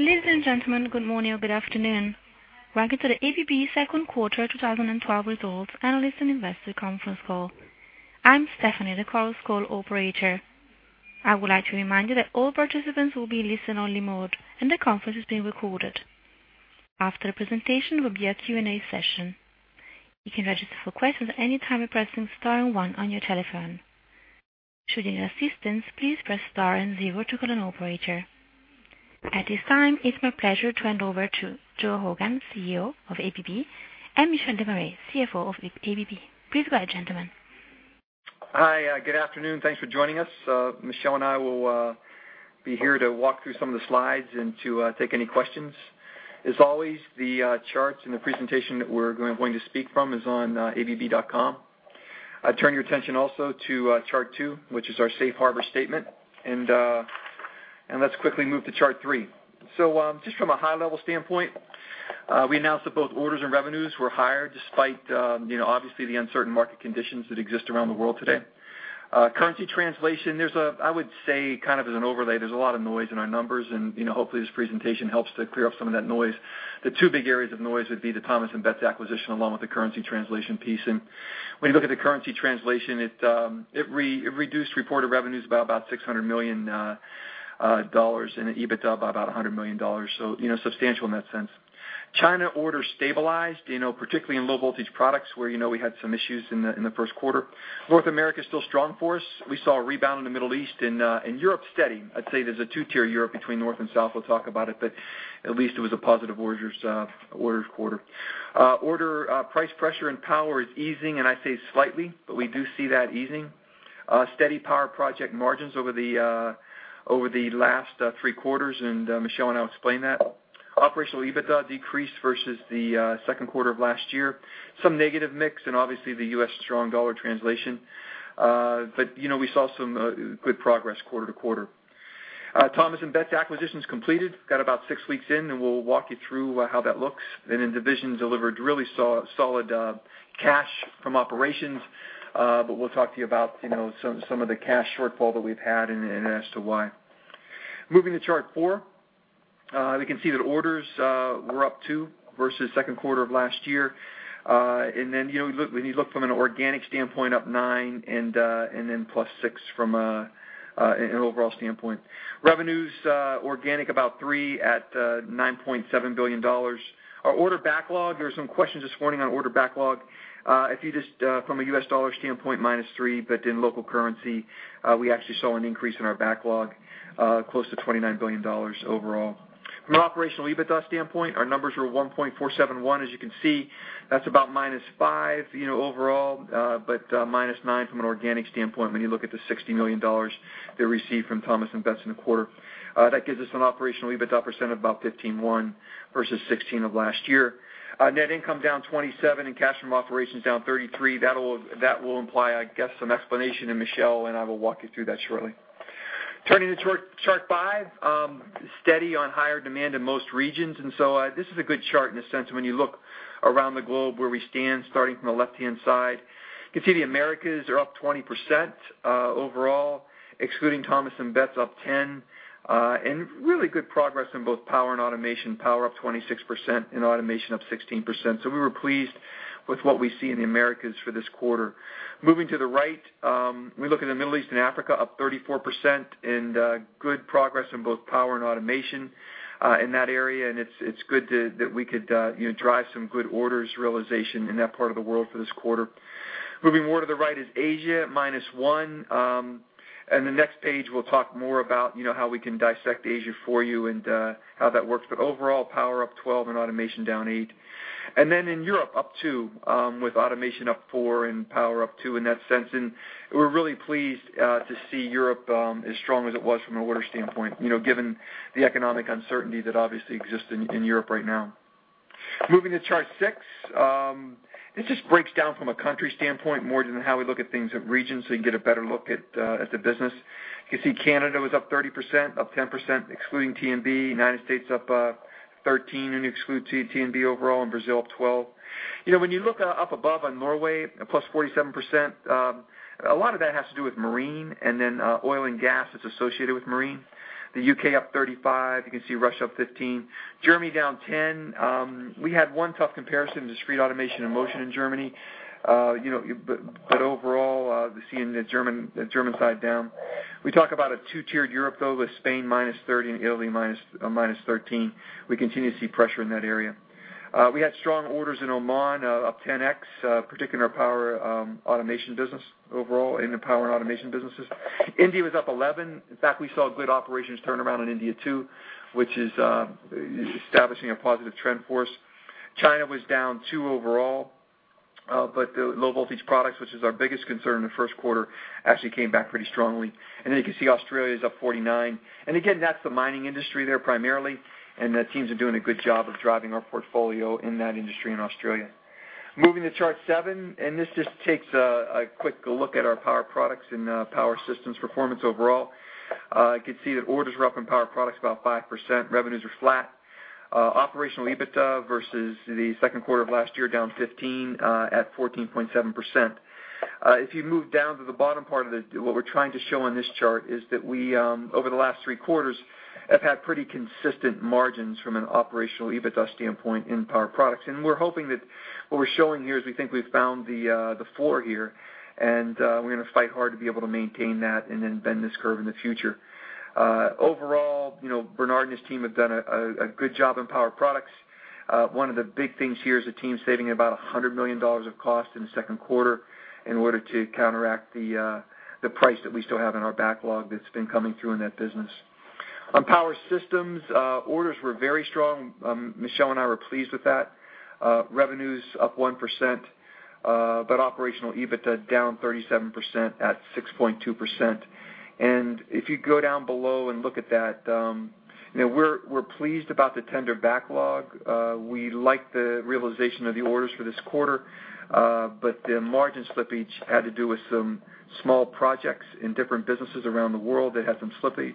Ladies and gentlemen, good morning or good afternoon. Welcome to the ABB second quarter 2012 results analyst and investor conference call. I'm Stephanie, the conference call operator. I would like to remind you that all participants will be in listen-only mode, and the conference is being recorded. After the presentation will be a Q&A session. You can register for questions at any time by pressing star and one on your telephone. Should you need assistance, please press star and zero to go to an operator. At this time, it's my pleasure to hand over to Joe Hogan, CEO of ABB, and Michel Demaré, CFO of ABB. Please go ahead, gentlemen. Hi. Good afternoon. Thanks for joining us. Michel and I will be here to walk through some of the slides and to take any questions. As always, the charts and the presentation that we're going to speak from is on abb.com. I turn your attention also to chart two, which is our safe harbor statement. Let's quickly move to chart three. Just from a high-level standpoint, we announced that both orders and revenues were higher despite, obviously, the uncertain market conditions that exist around the world today. Currency translation, I would say, kind of as an overlay, there's a lot of noise in our numbers, and hopefully, this presentation helps to clear up some of that noise. The two big areas of noise would be the Thomas & Betts acquisition, along with the currency translation piece. When you look at the currency translation, it reduced reported revenues by about $600 million and EBITDA by about $100 million. Substantial in that sense. China orders stabilized, particularly in Low Voltage Products, where we had some issues in the first quarter. North America is still a strong force. We saw a rebound in the Middle East and Europe steady. I'd say there's a two-tier Europe between north and south. We'll talk about it, but at least it was a positive orders quarter. Order price pressure and power is easing, and I say slightly, but we do see that easing. Steady power project margins over the last three quarters, and Michel and I will explain that. Operational EBITDA decreased versus the second quarter of last year. Some negative mix and obviously the U.S. strong dollar translation. We saw some good progress quarter-to-quarter. Thomas & Betts acquisition's completed. Got about six weeks in, and we'll walk you through how that looks. Division delivered really solid cash from operations. We'll talk to you about some of the cash shortfall that we've had and as to why. Moving to chart four, we can see that orders were up two versus second quarter of last year. When you look from an organic standpoint, up nine and then plus six from an overall standpoint. Revenues organic about three at $9.7 billion. Our order backlog, there were some questions this morning on order backlog. If you just, from a U.S. dollar standpoint, minus three, but in local currency, we actually saw an increase in our backlog, close to $29 billion overall. From an operational EBITDA standpoint, our numbers were $1.471. As you can see, that's about -5 overall, but -9 from an organic standpoint when you look at the $60 million they received from Thomas & Betts in the quarter. That gives us an operational EBITDA percent of about 15.1% versus 16% of last year. Net income down 27% and cash from operations down 33%. That will imply, I guess, some explanation, Michel and I will walk you through that shortly. Turning to chart five, steady on higher demand in most regions. This is a good chart in a sense when you look around the globe where we stand starting from the left-hand side. You can see the Americas are up 20% overall, excluding Thomas & Betts up 10%. Really good progress in both Power and Automation. Power up 26% and Automation up 16%. We were pleased with what we see in the Americas for this quarter. Moving to the right, we look at the Middle East and Africa up 34% and good progress in both Power and Automation in that area. It's good that we could drive some good orders realization in that part of the world for this quarter. Moving more to the right is Asia at -1%. The next page, we'll talk more about how we can dissect Asia for you and how that works. Overall, Power up 12% and Automation down 8%. In Europe up 2%, with Automation up 4% and Power up 2% in that sense. We're really pleased to see Europe as strong as it was from an order standpoint, given the economic uncertainty that obviously exists in Europe right now. Moving to chart six, this just breaks down from a country standpoint more than how we look at things at regions, so you can get a better look at the business. You can see Canada was up 30%, up 10% excluding T&B. United States up 13% when you exclude T&B overall, and Brazil up 12%. When you look up above on Norway, +47%, a lot of that has to do with marine and then oil and gas that's associated with marine. The U.K. up 35%. You can see Russia up 15%. Germany down 10%. We had one tough comparison, Discrete Automation and Motion in Germany. Overall, we're seeing the German side down. We talk about a two-tiered Europe, though, with Spain -30% and Italy -13%. We continue to see pressure in that area. We had strong orders in Oman, up 10x, particularly in our power automation business overall, in the Power and Automation businesses. India was up 11%. In fact, we saw a good operations turnaround in India too, which is establishing a positive trend for us. China was down 2% overall. The Low Voltage Products, which is our biggest concern in the first quarter, actually came back pretty strongly. You can see Australia is up 49%. Again, that's the mining industry there primarily, and the teams are doing a good job of driving our portfolio in that industry in Australia. Moving to chart seven, this just takes a quick look at our Power Products and Power Systems performance overall. You can see that orders are up in Power Products about 5%. Revenues are flat. Operational EBITDA versus the second quarter of last year, down 15% at 14.7%. If you move down to the bottom part of it, what we're trying to show in this chart is that we, over the last three quarters, have had pretty consistent margins from an operational EBITDA standpoint in Power Products. We're hoping that what we're showing here is we think we've found the floor here, and we're going to fight hard to be able to maintain that and then bend this curve in the future. Overall, Bernard and his team have done a good job in Power Products. One of the big things here is the team saving about $100 million of cost in the second quarter in order to counteract the price that we still have in our backlog that's been coming through in that business. On Power Systems, orders were very strong. Michel and I were pleased with that. Revenues up 1%, operational EBITDA down 37% at 6.2%. If you go down below and look at that, we're pleased about the tender backlog. We like the realization of the orders for this quarter. The margin slippage had to do with some small projects in different businesses around the world that had some slippage.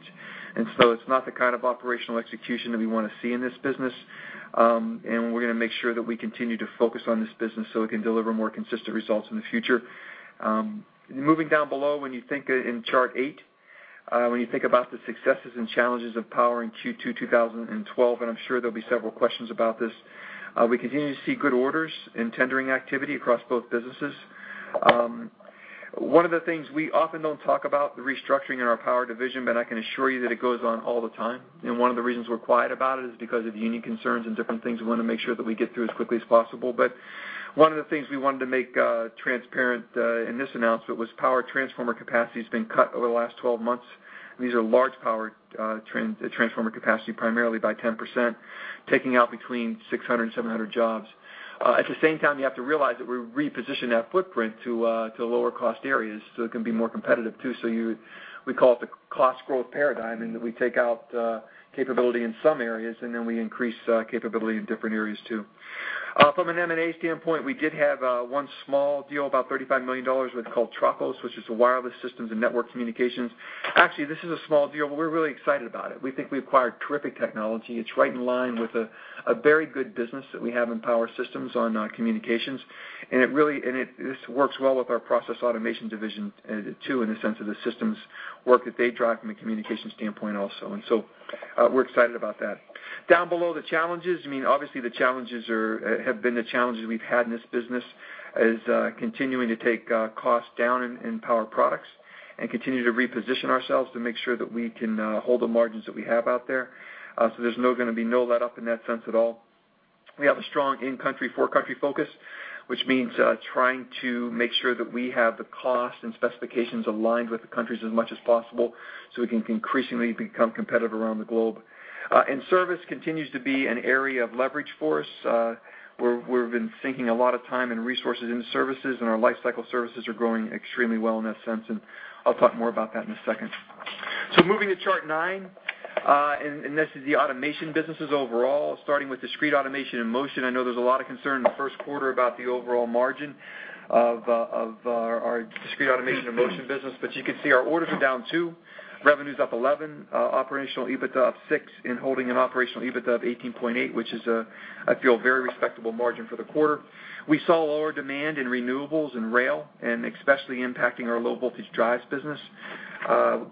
It's not the kind of operational execution that we want to see in this business. We're going to make sure that we continue to focus on this business so it can deliver more consistent results in the future. Moving down below, when you think in chart eight, when you think about the successes and challenges of power in Q2 2012, and I'm sure there'll be several questions about this, we continue to see good orders and tendering activity across both businesses. One of the things we often don't talk about, the restructuring in our power division, but I can assure you that it goes on all the time. One of the reasons we're quiet about it is because of the union concerns and different things we want to make sure that we get through as quickly as possible. One of the things we wanted to make transparent in this announcement was power transformer capacity has been cut over the last 12 months. These are large power transformer capacity, primarily by 10%, taking out between 600 and 700 jobs. At the same time, you have to realize that we repositioned that footprint to lower cost areas so it can be more competitive too. We call it the cost growth paradigm, and we take out capability in some areas, and then we increase capability in different areas too. From an M&A standpoint, we did have one small deal, about $35 million, with a company called Tropos, which is a wireless systems and network communications. Actually, this is a small deal, but we're really excited about it. We think we acquired terrific technology. It's right in line with a very good business that we have in Power Systems on communications. This works well with our Process Automation division too, in the sense of the systems work that they drive from a communication standpoint also. We're excited about that. Down below, the challenges. Obviously, the challenges have been the challenges we've had in this business, is continuing to take costs down in Power Products and continue to reposition ourselves to make sure that we can hold the margins that we have out there. There's going to be no letup in that sense at all. We have a strong in-country, for-country focus, which means trying to make sure that we have the cost and specifications aligned with the countries as much as possible so we can increasingly become competitive around the globe. Service continues to be an area of leverage for us, where we've been sinking a lot of time and resources into services, and our lifecycle services are growing extremely well in that sense, and I'll talk more about that in a second. Moving to chart nine, this is the automation businesses overall, starting with Discrete Automation and Motion. I know there's a lot of concern in the first quarter about the overall margin of our Discrete Automation and Motion business. You can see our orders are down 2%, revenues up 11%, operational EBITDA up 6%, and holding an operational EBITDA of 18.8%, which is, I feel, a very respectable margin for the quarter. We saw lower demand in renewables and rail, especially impacting our low-voltage drives business.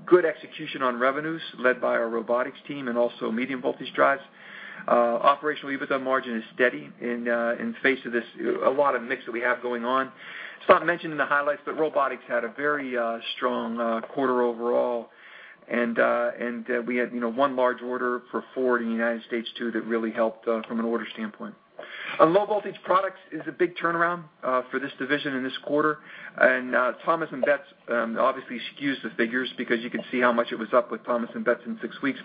Good execution on revenues led by our robotics team and also medium-voltage drives. Operational EBITDA margin is steady in face of this, a lot of mix that we have going on. It's not mentioned in the highlights, but robotics had a very strong quarter overall. We had one large order for Ford in the U.S., too, that really helped from an order standpoint. Low Voltage Products is a big turnaround for this division in this quarter. Thomas & Betts obviously skews the figures because you can see how much it was up with Thomas & Betts in six weeks.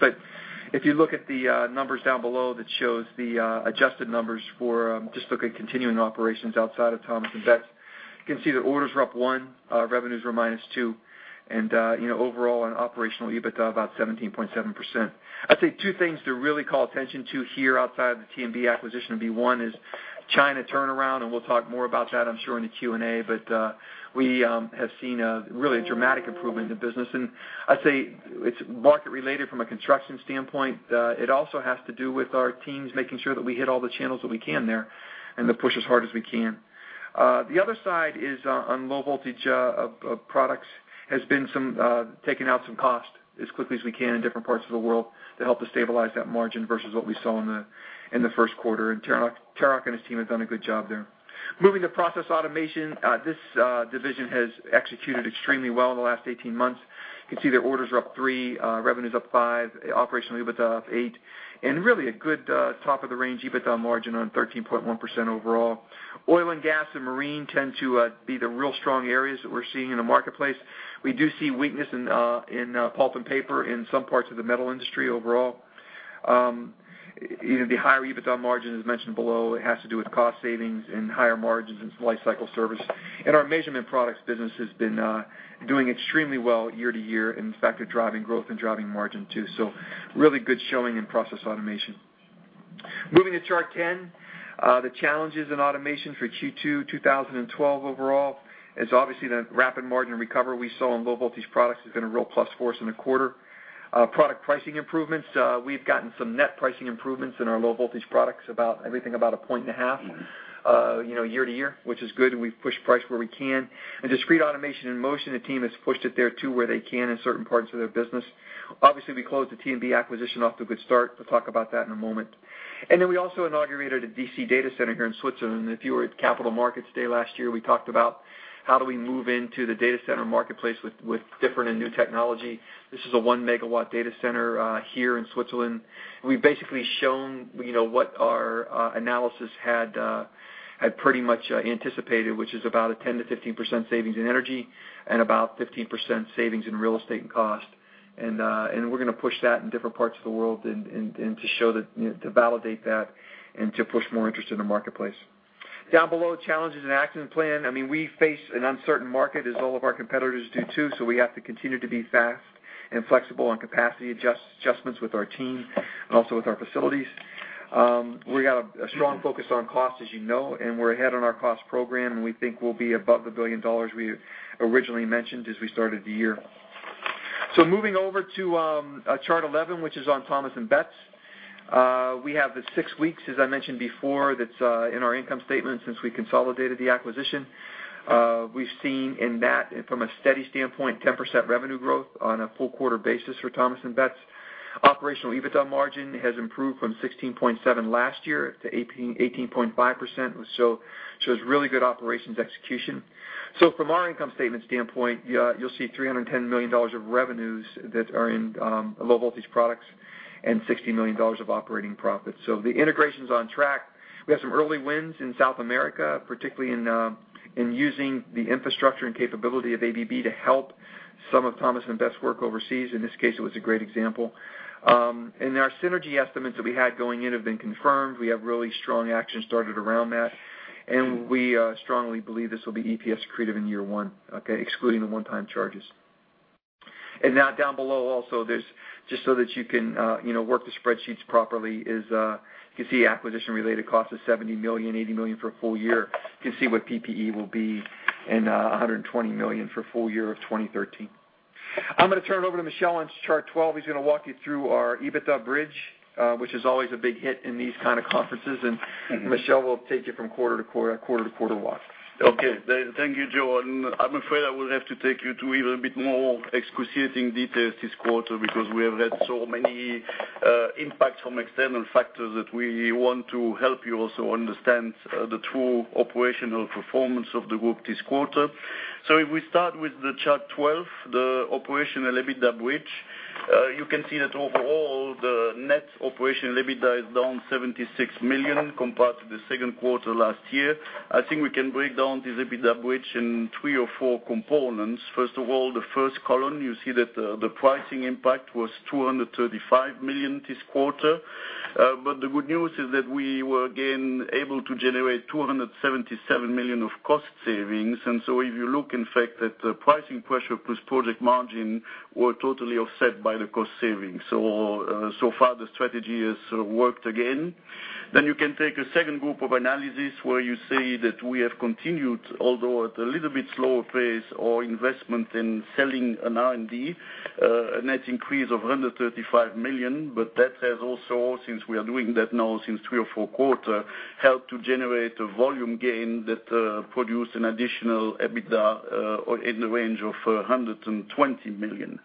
If you look at the numbers down below that shows the adjusted numbers for just looking at continuing operations outside of Thomas & Betts, you can see that orders were up 1%, revenues were minus 2%, and overall on operational EBITDA, about 17.7%. I'd say two things to really call attention to here outside of the T&B acquisition would be one is China turnaround, and we'll talk more about that, I'm sure, in the Q&A. We have seen really a dramatic improvement in the business. I'd say it's market-related from a construction standpoint. It also has to do with our teams making sure that we hit all the channels that we can there and to push as hard as we can. The other side is on Low Voltage Products has been taking out some cost as quickly as we can in different parts of the world to help us stabilize that margin versus what we saw in the first quarter. Tarak and his team have done a good job there. Moving to Process Automation. This division has executed extremely well in the last 18 months. You can see their orders are up 3%, revenues up 5%, operational EBITDA up 8%, and really a good top-of-the-range EBITDA margin on 13.1% overall. Oil and gas and marine tend to be the real strong areas that we're seeing in the marketplace. We do see weakness in pulp and paper in some parts of the metal industry overall. The higher EBITDA margin, as mentioned below, it has to do with cost savings and higher margins in lifecycle service. Our measurement products business has been doing extremely well year to year. In fact, they're driving growth and driving margin too. So really good showing in Process Automation. Moving to chart 10. The challenges in automation for Q2 2012 overall is obviously the rapid margin recovery we saw in low-voltage products has been a real plus for us in the quarter. Product pricing improvements, we've gotten some net pricing improvements in our low-voltage products, everything about a point and a half year-over-year, which is good. We've pushed price where we can. In discrete automation and motion, the team has pushed it there, too, where they can in certain parts of their business. Obviously, we closed the T&B acquisition off to a good start. We'll talk about that in a moment. And then we also inaugurated a DC data center here in Switzerland. If you were at Capital Markets Day last year, we talked about how do we move into the data center marketplace with different and new technology. This is a one-megawatt data center here in Switzerland. We've basically shown what our analysis had pretty much anticipated, which is about a 10%-15% savings in energy and about 15% savings in real estate and cost. And we're going to push that in different parts of the world to validate that and to push more interest in the marketplace. Down below, challenges and action plan. We face an uncertain market as all of our competitors do, too, so we have to continue to be fast and flexible on capacity adjustments with our team and also with our facilities. We have a strong focus on cost, as you know, and we're ahead on our cost program, and we think we'll be above the billion dollars we originally mentioned as we started the year. Moving over to chart 11, which is on Thomas & Betts. We have the six weeks, as I mentioned before, that's in our income statement since we consolidated the acquisition. We've seen in that, from a steady standpoint, 10% revenue growth on a full-quarter basis for Thomas & Betts. Operational EBITDA margin has improved from 16.7 last year to 18.5%, which shows really good operations execution. From our income statement standpoint, you'll see $310 million of revenues that are in Low Voltage Products and $60 million of operating profits. The integration's on track. We have some early wins in South America, particularly in using the infrastructure and capability of ABB to help some of Thomas & Betts' work overseas. In this case, it was a great example. Our synergy estimates that we had going in have been confirmed. We have really strong action started around that, and we strongly believe this will be EPS accretive in year one, excluding the one-time charges. And now down below, also, just so that you can work the spreadsheets properly is, you can see acquisition-related cost is $70 million, $80 million for a full year. You can see what PPE will be in $120 million for full year of 2013. I'm going to turn it over to Michel on chart 12. He's going to walk you through our EBITDA bridge, which is always a big hit in these kind of conferences. Michel will take you from quarter to quarter walk. Okay. Thank you, Joe. I'm afraid I will have to take you to even a bit more excruciating detail this quarter because we have had so many impacts from external factors that we want to help you also understand the true operational performance of the group this quarter. If we start with the chart 12, the operational EBITDA bridge, you can see that overall, the net operational EBITDA is down $76 million compared to the second quarter last year. I think we can break down this EBITDA bridge in three or four components. First of all, the first column, you see that the pricing impact was $235 million this quarter. The good news is that we were again able to generate $277 million of cost savings. If you look, in fact, the pricing pressure plus project margin were totally offset by the cost savings. Far, the strategy has worked again. You can take a second group of analysis where you see that we have continued, although at a little bit slower pace on investment in selling and R&D, a net increase of $135 million. That has also, since we are doing that now since three or four quarter, helped to generate a volume gain that produced an additional EBITDA in the range of $120 million.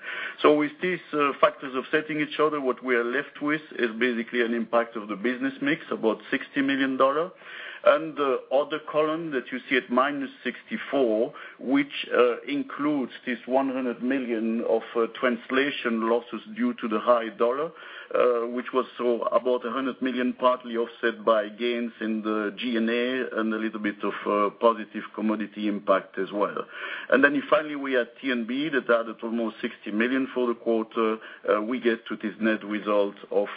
With these factors offsetting each other, what we are left with is basically an impact of the business mix, about $60 million. The other column that you see at -$64 million, which includes this $100 million of translation losses due to the high dollar, which was about $100 million, partly offset by gains in the G&A and a little bit of positive commodity impact as well. Finally, we had T&B that added almost $60 million for the quarter. We get to this net result of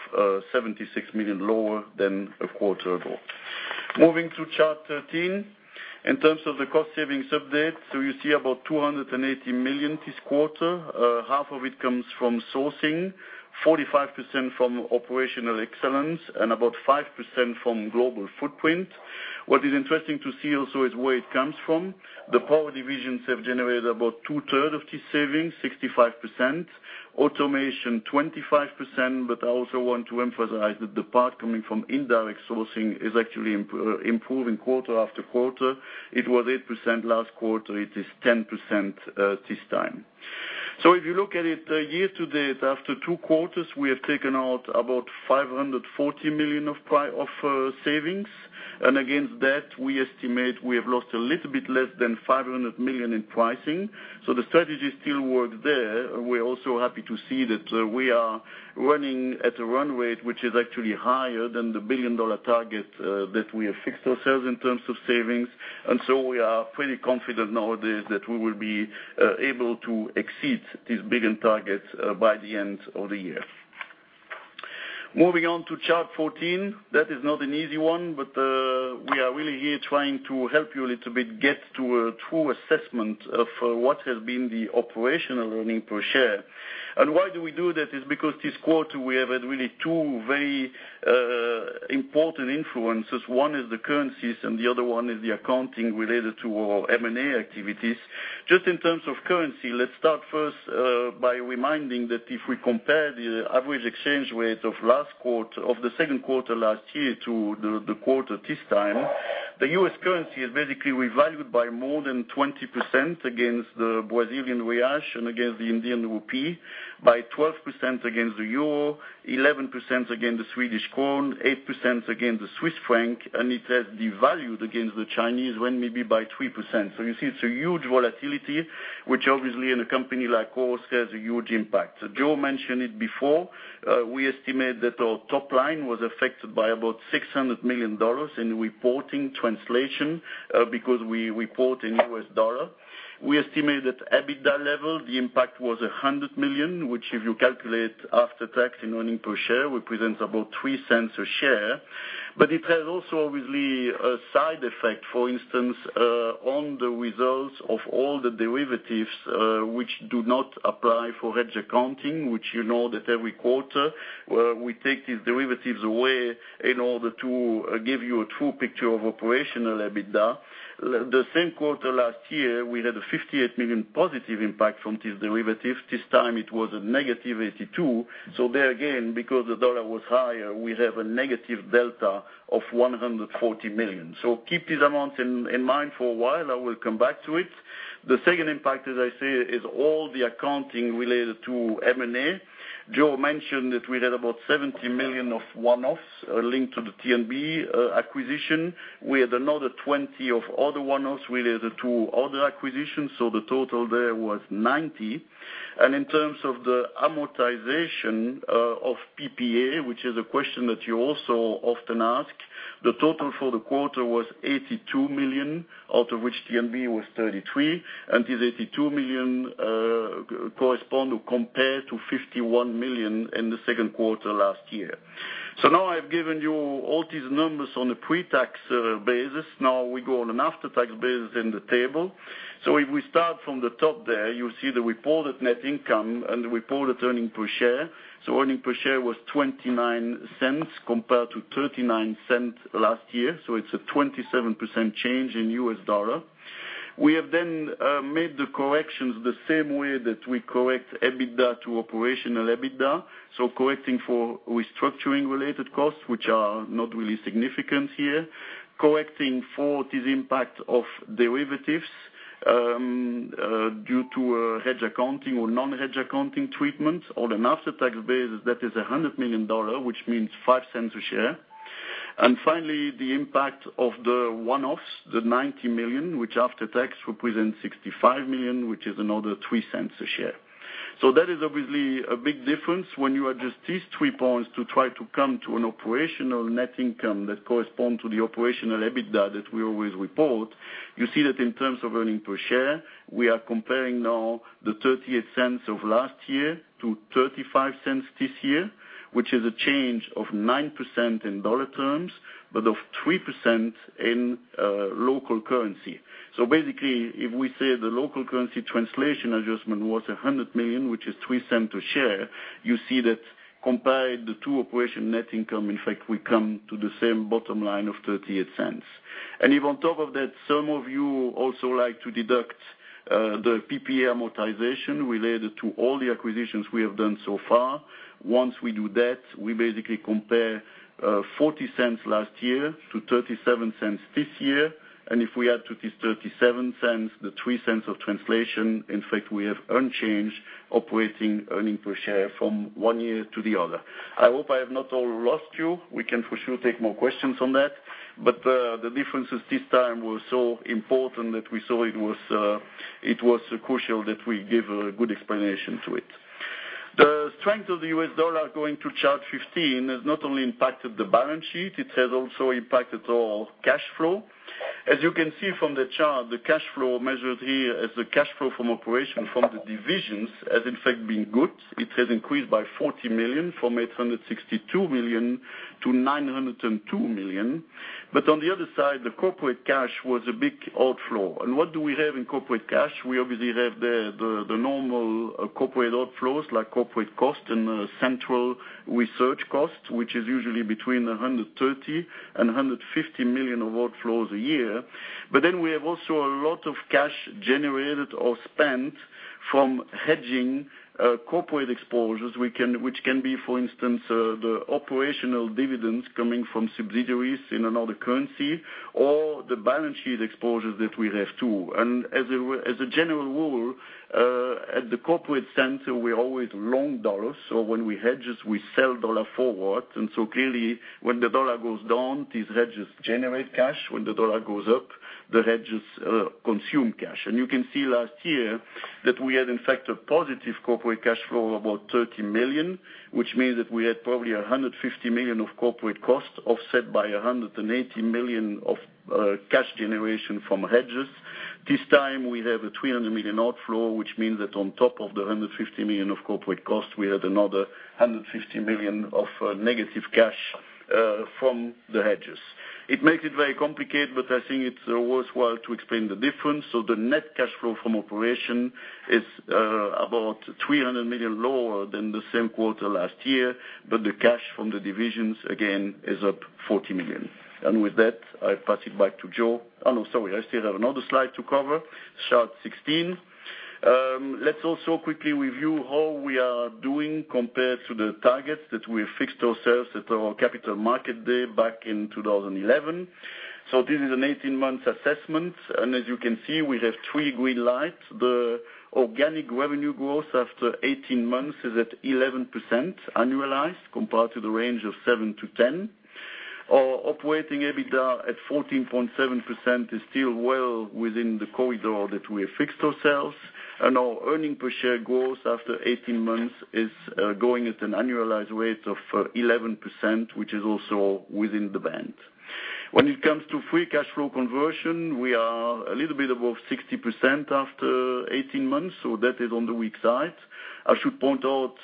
$76 million lower than a quarter ago. Moving to chart 13, in terms of the cost savings update, you see about $280 million this quarter. Half of it comes from sourcing, 45% from operational excellence, and about 5% from global footprint. What is interesting to see also is where it comes from. The power divisions have generated about two-third of this savings, 65%, automation 25%. I also want to emphasize that the part coming from indirect sourcing is actually improving quarter after quarter. It was 8% last quarter. It is 10% this time. If you look at it year to date, after two quarters, we have taken out about $540 million of savings. Against that, we estimate we have lost a little bit less than $500 million in pricing. The strategy still works there. We are also happy to see that we are running at a run rate, which is actually higher than the $1 billion target that we have fixed ourselves in terms of savings. We are pretty confident nowadays that we will be able to exceed this $1 billion target by the end of the year. Moving on to chart 14. That is not an easy one, but we are really here trying to help you a little bit get to a true assessment of what has been the operational earning per share. Why we do that is because this quarter, we have had really two very important influences. One is the currencies, and the other one is the accounting related to our M&A activities. Just in terms of currency, let's start first by reminding that if we compare the average exchange rate of the second quarter last year to the quarter this time, the U.S. currency has basically revalued by more than 20% against the Brazilian real and against the Indian rupee, by 12% against the EUR, 11% against the SEK, 8% against the CHF, and it has devalued against the Chinese yuan maybe by 3%. You see it's a huge volatility, which obviously in a company like ours, has a huge impact. Joe mentioned it before, we estimate that our top line was affected by about $600 million in reporting translation, because we report in U.S. dollar. We estimate that at EBITDA level, the impact was $100 million, which if you calculate after-tax in earning per share, represents about $0.03 a share. It has also, obviously, a side effect, for instance, on the results of all the derivatives, which do not apply for hedge accounting, which you know that every quarter, we take these derivatives away in order to give you a true picture of operational EBITDA. The same quarter last year, we had a $58 million positive impact from this derivative. This time it was a negative $82 million. There again, because the U.S. dollar was higher, we have a negative delta of $140 million. Keep these amounts in mind for a while. I will come back to it. The second impact, as I said, is all the accounting related to M&A. Joe mentioned that we had about $70 million of one-offs linked to the T&B acquisition. We had another $20 million of other one-offs related to other acquisitions, so the total there was $90 million. In terms of the amortization of PPA, which is a question that you also often ask, the total for the quarter was $82 million, out of which T&B was $33 million, and this $82 million compared to $51 million in the second quarter last year. Now I've given you all these numbers on a pre-tax basis. We go on an after-tax basis in the table. If we start from the top there, you see the reported net income and the reported earning per share. Earning per share was $0.29 compared to $0.39 last year. It's a 27% change in U.S. dollar. We have then made the corrections the same way that we correct EBITDA to operational EBITDA. Correcting for restructuring related costs, which are not really significant here, correcting for this impact of derivatives, due to hedge accounting or non-hedge accounting treatment, on an after-tax basis, that is $100 million, which means $0.05 a share. Finally, the impact of the one-offs, the $90 million, which after tax represents $65 million, which is another $0.03 a share. That is obviously a big difference when you adjust these three points to try to come to an operational net income that corresponds to the operational EBITDA that we always report. You see that in terms of earning per share, we are comparing now the $0.38 of last year to $0.35 this year, which is a change of 9% in dollar terms, but of 3% in local currency. Basically, if we say the local currency translation adjustment was $100 million, which is $0.03 a share, you see that comparing the two operation net income, in fact, we come to the same bottom line of $0.38. If on top of that, some of you also like to deduct the PPA amortization related to all the acquisitions we have done so far. Once we do that, we basically compare $0.40 last year to $0.37 this year. If we add to this $0.37, the $0.03 of translation, in fact, we have unchanged operating earning per share from one year to the other. I hope I have not lost you. We can for sure take more questions on that, the differences this time were so important that we saw it was crucial that we give a good explanation to it. The strength of the US dollar going to chart 15 has not only impacted the balance sheet, it has also impacted our cash flow. As you can see from the chart, the cash flow measured here as the cash flow from operation from the divisions has in fact been good. It has increased by $40 million from $862 million to $902 million. On the other side, the corporate cash was a big outflow. What do we have in corporate cash? We obviously have the normal corporate outflows, like corporate cost and central research cost, which is usually between $130 million and $150 million of outflows a year. We have also a lot of cash generated or spent from hedging corporate exposures, which can be, for instance, the operational dividends coming from subsidiaries in another currency or the balance sheet exposures that we have too. As a general rule, at the corporate center, we're always long dollars, when we hedge, we sell dollar forward. Clearly when the dollar goes down, these hedges generate cash. When the dollar goes up, the hedges consume cash. You can see last year that we had, in fact, a positive corporate cash flow of about $30 million, which means that we had probably $150 million of corporate cost offset by $180 million of cash generation from hedges. This time we have a $300 million outflow, which means that on top of the $150 million of corporate costs, we had another $150 million of negative cash from the hedges. It makes it very complicated, I think it's worthwhile to explain the difference. The net cash flow from operation is about $300 million lower than the same quarter last year, the cash from the divisions again is up $40 million. With that, I pass it back to Joe. I still have another slide to cover, chart 16. Let's also quickly review how we are doing compared to the targets that we fixed ourselves at our Capital Markets Day back in 2011. This is an 18-month assessment, as you can see, we have three green lights. The organic revenue growth after 18 months is at 11% annualized compared to the range of 7%-10%. Our operating EBITDA at 14.7% is still well within the corridor that we have fixed ourselves. Our earning per share growth after 18 months is going at an annualized rate of 11%, which is also within the band. When it comes to free cash flow conversion, we are a little bit above 60% after 18 months. That is on the weak side. I should point out,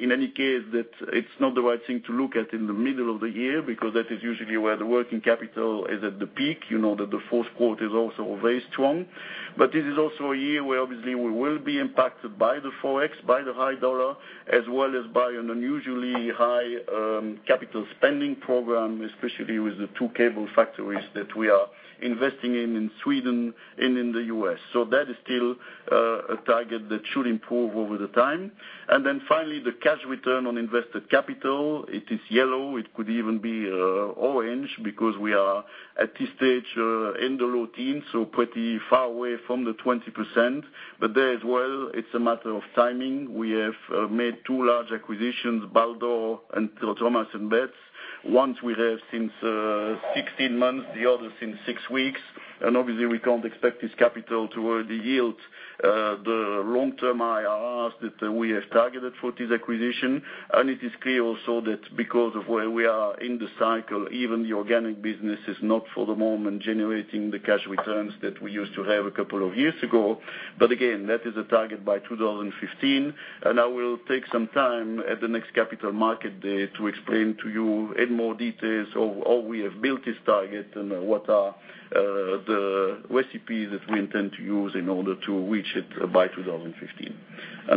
in any case, that it's not the right thing to look at in the middle of the year, because that is usually where the working capital is at the peak, that the fourth quarter is also very strong. This is also a year where obviously we will be impacted by the Forex, by the high dollar, as well as by an unusually high capital spending program, especially with the two cable factories that we are investing in in Sweden and in the U.S. That is still a target that should improve over the time. Finally, the cash return on invested capital. It is yellow. It could even be orange because we are at this stage in the low teens, pretty far away from the 20%. There as well, it's a matter of timing. We have made two large acquisitions, Baldor and Thomas & Betts. One we have since 16 months, the other since six weeks. Obviously, we can't expect this capital to yield the long-term IRRs that we have targeted for this acquisition. It is clear also that because of where we are in the cycle, even the organic business is not for the moment generating the cash returns that we used to have a couple of years ago. Again, that is a target by 2015, I will take some time at the next Capital Markets Day to explain to you in more details how we have built this target and what are the recipes that we intend to use in order to reach it by 2015.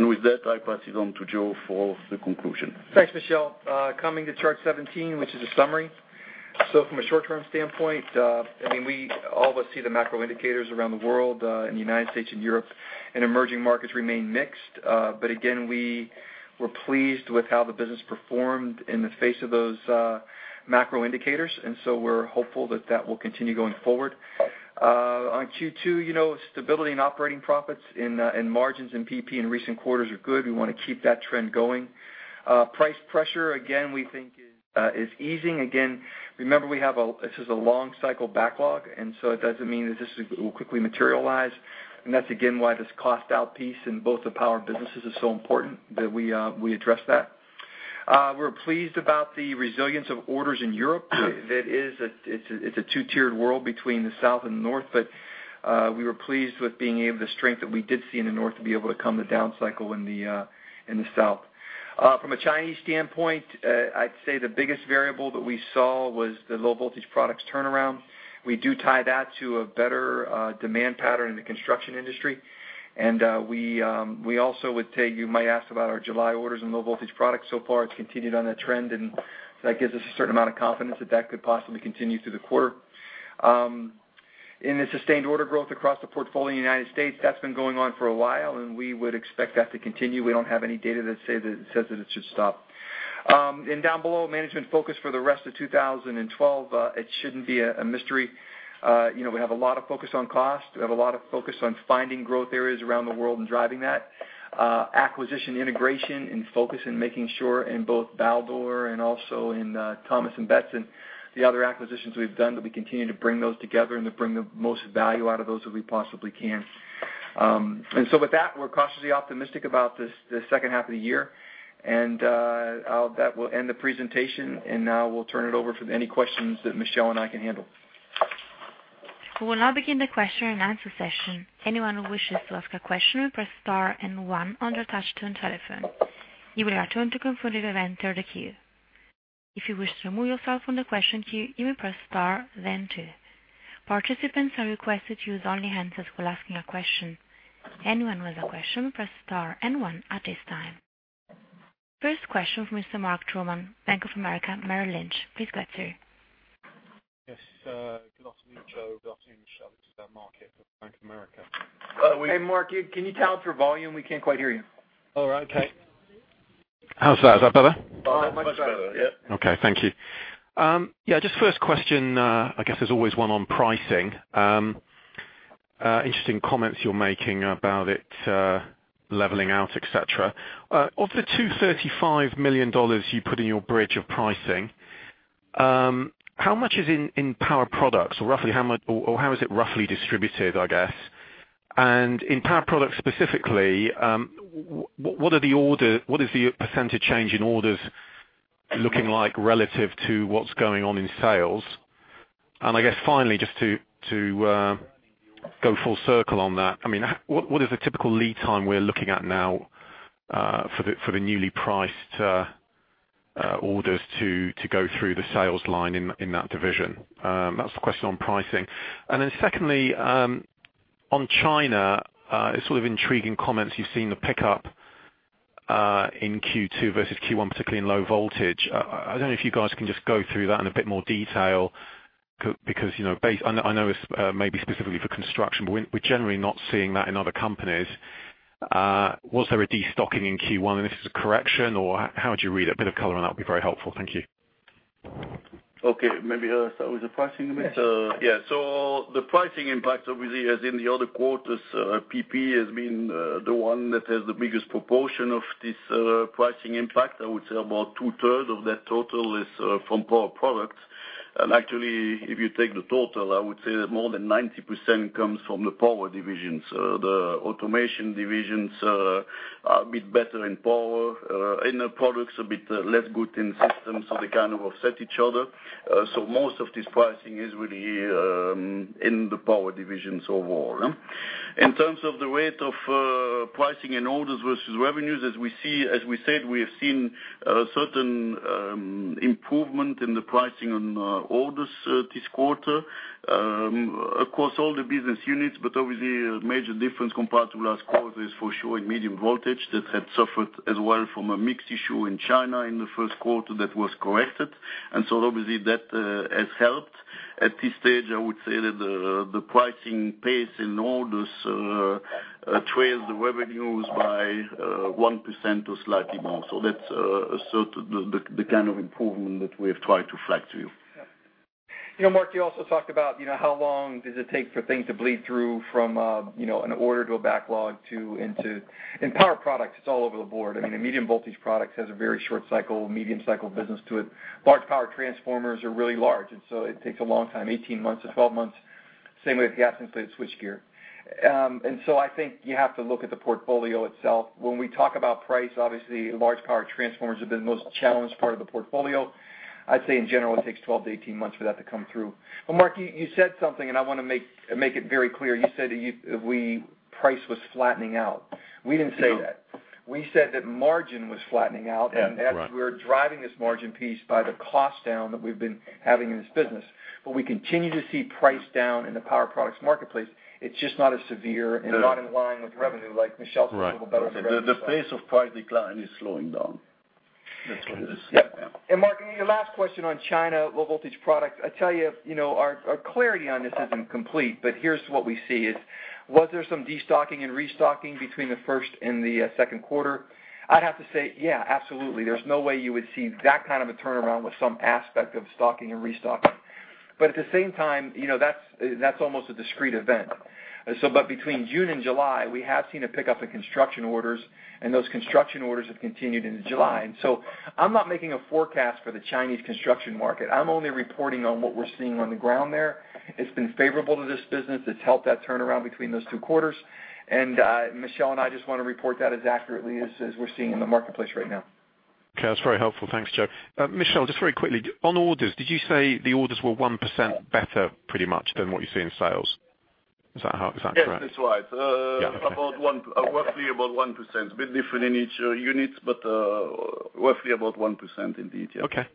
With that, I pass it on to Joe for the conclusion. Thanks, Michel. Coming to chart 17, which is a summary. From a short-term standpoint, all of us see the macro indicators around the world, in the U.S. and Europe, and emerging markets remain mixed. Again, we were pleased with how the business performed in the face of those macro indicators, we're hopeful that that will continue going forward. On Q2, stability in operating profits in margins and PP in recent quarters are good. We want to keep that trend going. Price pressure, again, we think is easing. Again, remember, this is a long cycle backlog, it doesn't mean that this will quickly materialize. That's, again, why this cost-out piece in both the power businesses is so important that we address that. We're pleased about the resilience of orders in Europe. It's a 2-tiered world between the south and north, we were pleased with being able, the strength that we did see in the north to be able to come the down cycle in the south. From a Chinese standpoint, I'd say the biggest variable that we saw was the Low Voltage Products turnaround. We do tie that to a better demand pattern in the construction industry. We also would take, you might ask about our July orders in Low Voltage Products. So far, it's continued on that trend, that gives us a certain amount of confidence that that could possibly continue through the quarter. In the sustained order growth across the portfolio in the U.S., that's been going on for a while, we would expect that to continue. We don't have any data that says that it should stop. Down below, management focus for the rest of 2012, it shouldn't be a mystery. We have a lot of focus on cost. We have a lot of focus on finding growth areas around the world and driving that. Acquisition integration and focus in making sure in both Baldor and also in Thomas & Betts and the other acquisitions we've done, that we continue to bring those together and to bring the most value out of those that we possibly can. With that, we're cautiously optimistic about the second half of the year. That will end the presentation, now we'll turn it over for any questions that Michel and I can handle. We will now begin the question and answer session. Anyone who wishes to ask a question will press star and one on their touch-tone telephone. You will hear a tone to confirm that you have entered the queue. If you wish to remove yourself from the question queue, you may press star then two. Participants are requested to use only hands for asking a question. Anyone with a question, press star and one at this time. First question from Mr. Mark Sherwin, Bank of America, Merrill Lynch. Please go ahead, sir. Yes. Good afternoon, Joe. Good afternoon, Michel. This is Mark with Bank of America. Hey, Mark, can you tell us your volume? We can't quite hear you. All right. Okay. How's that? Is that better? Much better. Yeah. Okay. Thank you. Just first question, I guess there's always one on pricing. Interesting comments you're making about it leveling out, et cetera. Of the $235 million you put in your bridge of pricing, how much is in Power Products, or how is it roughly distributed, I guess? In Power Products specifically, what is the percentage change in orders looking like relative to what's going on in sales. I guess finally, just to go full circle on that, what is the typical lead time we're looking at now for the newly priced orders to go through the sales line in that division? That's the question on pricing. Secondly, on China, intriguing comments. You've seen the pickup in Q2 versus Q1, particularly in Low Voltage. I don't know if you guys can just go through that in a bit more detail, because I know it's maybe specifically for construction, but we're generally not seeing that in other companies. Was there a destocking in Q1, this is a correction, or how would you read it? A bit of color on that would be very helpful. Thank you. Okay. Maybe I'll start with the pricing impact. The pricing impact, obviously, as in the other quarters, PP has been the one that has the biggest proportion of this pricing impact. I would say about two-thirds of that total is from Power Products. Actually, if you take the total, I would say that more than 90% comes from the Power division. The Automation divisions are a bit better in Power, in the products, a bit less good in systems, so they kind of offset each other. Most of this pricing is really in the Power divisions overall. In terms of the rate of pricing in orders versus revenues, as we said, we have seen a certain improvement in the pricing on orders this quarter across all the business units. Obviously, a major difference compared to last quarter is for sure in medium voltage that had suffered as well from a mix issue in China in the first quarter that was corrected. Obviously, that has helped. At this stage, I would say that the pricing pace in orders trails the revenues by 1% or slightly more. That's the kind of improvement that we have tried to flag to you. Yeah. Mark, you also talked about how long does it take for things to bleed through from an order to a backlog. In Power Products, it's all over the board. The medium voltage products has a very short cycle, medium cycle business to it. Large power transformers are really large, so it takes a long time, 18 months to 12 months. Same with gas-insulated switchgear. I think you have to look at the portfolio itself. When we talk about price, obviously, large power transformers have been the most challenged part of the portfolio. I'd say in general, it takes 12 to 18 months for that to come through. Mark, you said something, and I want to make it very clear. You said price was flattening out. We didn't say that. We said that margin was flattening out. Yeah. Right. As we're driving this margin piece by the cost down that we've been having in this business, we continue to see price down in the Power Products marketplace. It's just not as severe and not in line with revenue like Michel talked a little better. Right. The pace of price decline is slowing down. That's what it is. Yeah. Mark, your last question on China, low voltage product. I tell you, our clarity on this isn't complete. Here's what we see is, was there some destocking and restocking between the first and the second quarter? I'd have to say, yeah, absolutely. There's no way you would see that kind of a turnaround with some aspect of stocking and restocking. At the same time, that's almost a discrete event. Between June and July, we have seen a pickup in construction orders, and those construction orders have continued into July. I'm not making a forecast for the Chinese construction market. I'm only reporting on what we're seeing on the ground there. It's been favorable to this business. It's helped that turnaround between those two quarters. Michel and I just want to report that as accurately as we're seeing in the marketplace right now. Okay. That's very helpful. Thanks, Joe. Michel, just very quickly, on orders, did you say the orders were 1% better pretty much than what you see in sales? Is that correct? Yes, that's right. Yeah. Okay. Roughly about 1%. A bit different in each units, but roughly about 1% indeed, yeah. Okay.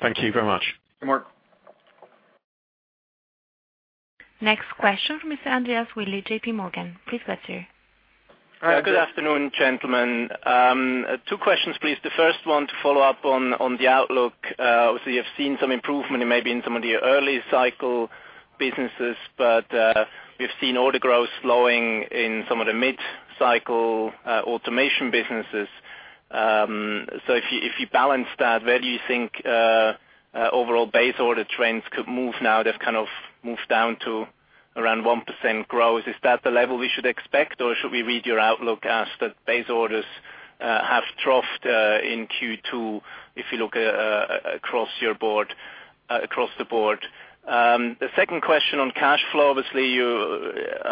Thank you very much. Mark. Next question from Andreas Willi, J.P. Morgan. Please go ahead, sir. Good afternoon, gentlemen. Two questions, please. The first one to follow up on the outlook. Obviously, you've seen some improvement maybe in some of the early cycle businesses, but we've seen order growth slowing in some of the mid-cycle automation businesses. If you balance that, where do you think overall base order trends could move now they've kind of moved down to around 1% growth? Is that the level we should expect, or should we read your outlook as that base orders have troughed in Q2, if you look across the board? The second question on cash flow, obviously,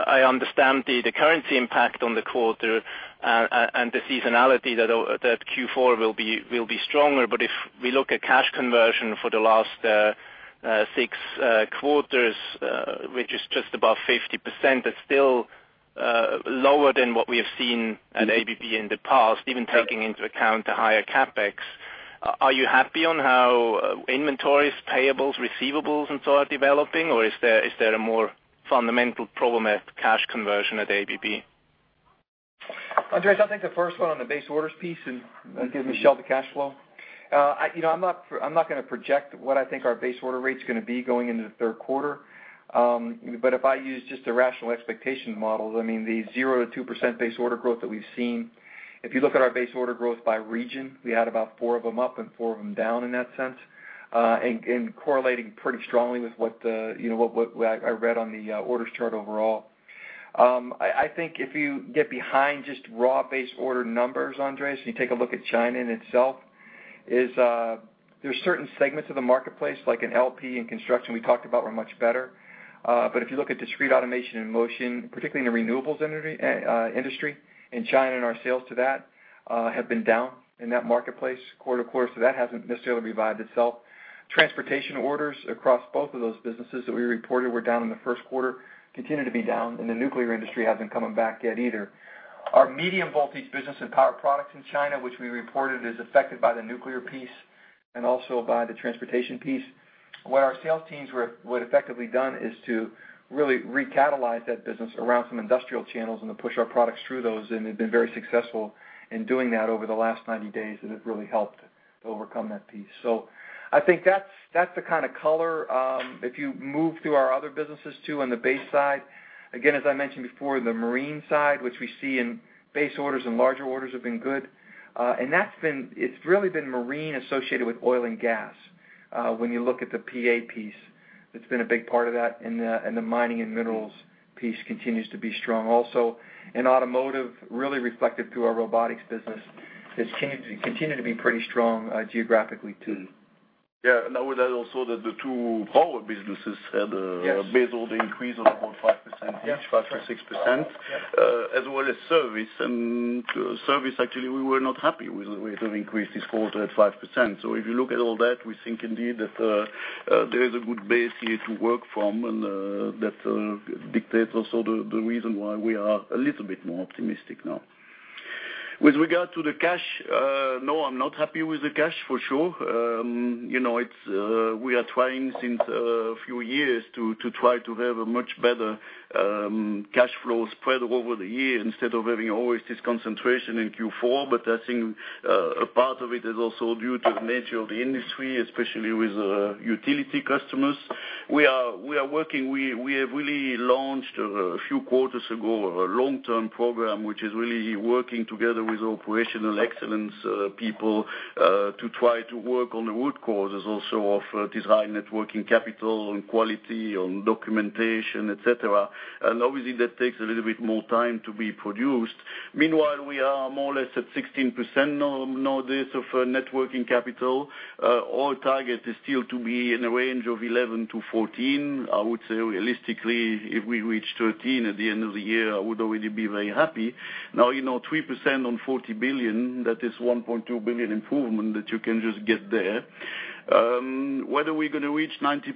I understand the currency impact on the quarter and the seasonality that Q4 will be stronger. If we look at cash conversion for the last six quarters, which is just above 50%, that's still lower than what we have seen at ABB in the past, even taking into account the higher CapEx. Are you happy on how inventories, payables, receivables, and so are developing, or is there a more fundamental problem at cash conversion at ABB? Andreas, I'll take the first one on the base orders piece and give Michel the cash flow. I'm not going to project what I think our base order rate's going to be going into the third quarter. If I use just a rational expectation model, the 0-2% base order growth that we've seen. If you look at our base order growth by region, we had about four of them up and four of them down in that sense, and correlating pretty strongly with what I read on the orders chart overall. I think if you get behind just raw base order numbers, Andreas, you take a look at China in itself. There are certain segments of the marketplace, like in LP and construction we talked about, were much better. If you look at Discrete Automation and Motion, particularly in the renewables industry in China, and our sales to that have been down in that marketplace quarter-to-quarter, that hasn't necessarily revived itself. Transportation orders across both of those businesses that we reported were down in the first quarter continue to be down, and the nuclear industry hasn't come back yet either. Our medium voltage business and Power Products in China, which we reported, is affected by the nuclear piece and also by the transportation piece. What our sales teams would effectively done is to really recatalyze that business around some industrial channels and to push our products through those, and they've been very successful in doing that over the last 90 days, and it really helped to overcome that piece. I think that's the kind of color. If you move to our other businesses, too, on the base side, again, as I mentioned before, the marine side, which we see in base orders and larger orders, have been good. It's really been marine associated with oil and gas. When you look at the PA piece, it's been a big part of that, and the mining and minerals piece continues to be strong also. Automotive really reflected through our robotics business has continued to be pretty strong geographically, too. Yeah. I would add also that the two power businesses. Yes Based on the increase of about 5%. Yeah 5%-6%, as well as service. Service, actually, we were not happy with the increase this quarter at 5%. If you look at all that, we think indeed that there is a good base here to work from, and that dictates also the reason why we are a little bit more optimistic now. With regard to the cash, no, I'm not happy with the cash, for sure. We are trying since a few years to try to have a much better cash flow spread over the year instead of having always this concentration in Q4. I think a part of it is also due to the nature of the industry, especially with utility customers. We are working. We have really launched, a few quarters ago, a long-term program, which is really working together with the operational excellence people, to try to work on the root causes also of design, net working capital, on quality, on documentation, et cetera. Obviously, that takes a little bit more time to be produced. Meanwhile, we are more or less at 16% nowadays of net working capital. Our target is still to be in a range of 11%-14%. I would say realistically, if we reach 13% at the end of the year, I would already be very happy. Now, you know, 3% on $40 billion, that is $1.2 billion improvement that you can just get there. Whether we're going to reach 90%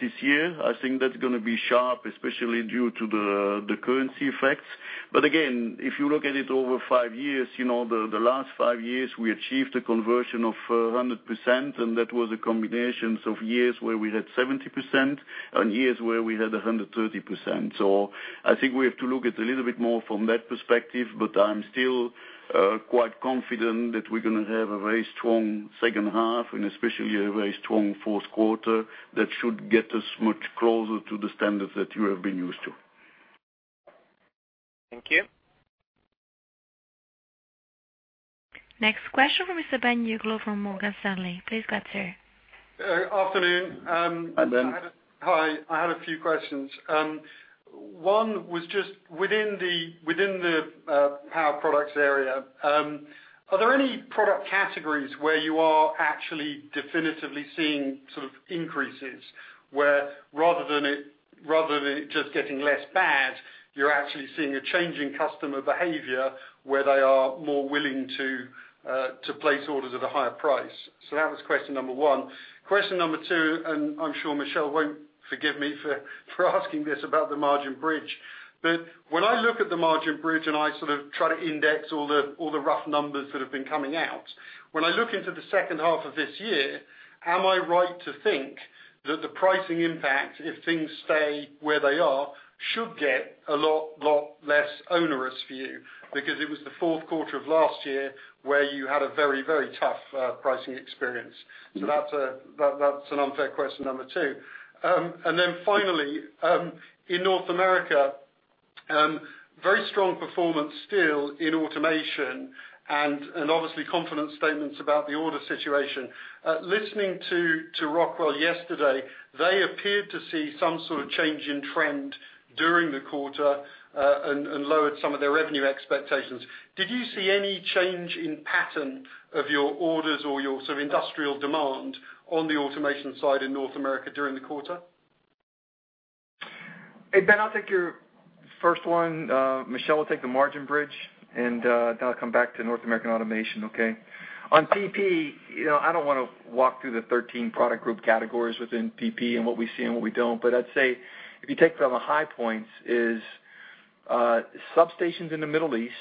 this year, I think that's going to be sharp, especially due to the currency effects. If you look at it over five years, the last five years, we achieved a conversion of 100%, and that was a combination of years where we had 70% and years where we had 130%. I think we have to look at it a little bit more from that perspective, but I'm still quite confident that we're going to have a very strong second half and especially a very strong fourth quarter that should get us much closer to the standards that you have been used to. Thank you. Next question from Mr. Ben Uglow from Morgan Stanley. Please go ahead, sir. Afternoon. Hi, Ben. Hi. I had a few questions. One was just within the Power Products area, are there any product categories where you are actually definitively seeing sort of increases where rather than it just getting less bad, you're actually seeing a change in customer behavior where they are more willing to place orders at a higher price? That was question number 1. Question number 2, I'm sure Michel won't forgive me for asking this about the margin bridge. When I look at the margin bridge and I sort of try to index all the rough numbers that have been coming out, when I look into the second half of this year, am I right to think that the pricing impact, if things stay where they are, should get a lot less onerous for you? It was the fourth quarter of last year where you had a very tough pricing experience. That's an unfair question number 2. Finally, in North America, very strong performance still in automation and obviously confident statements about the order situation. Listening to Rockwell yesterday, they appeared to see some sort of change in trend during the quarter and lowered some of their revenue expectations. Did you see any change in pattern of your orders or your sort of industrial demand on the automation side in North America during the quarter? Hey, Ben, I'll take your first one. Michel will take the margin bridge, I'll come back to North American automation, okay? On PP, I don't want to walk through the 13 product group categories within PP and what we see and what we don't, I'd say if you take it from the high points is substations in the Middle East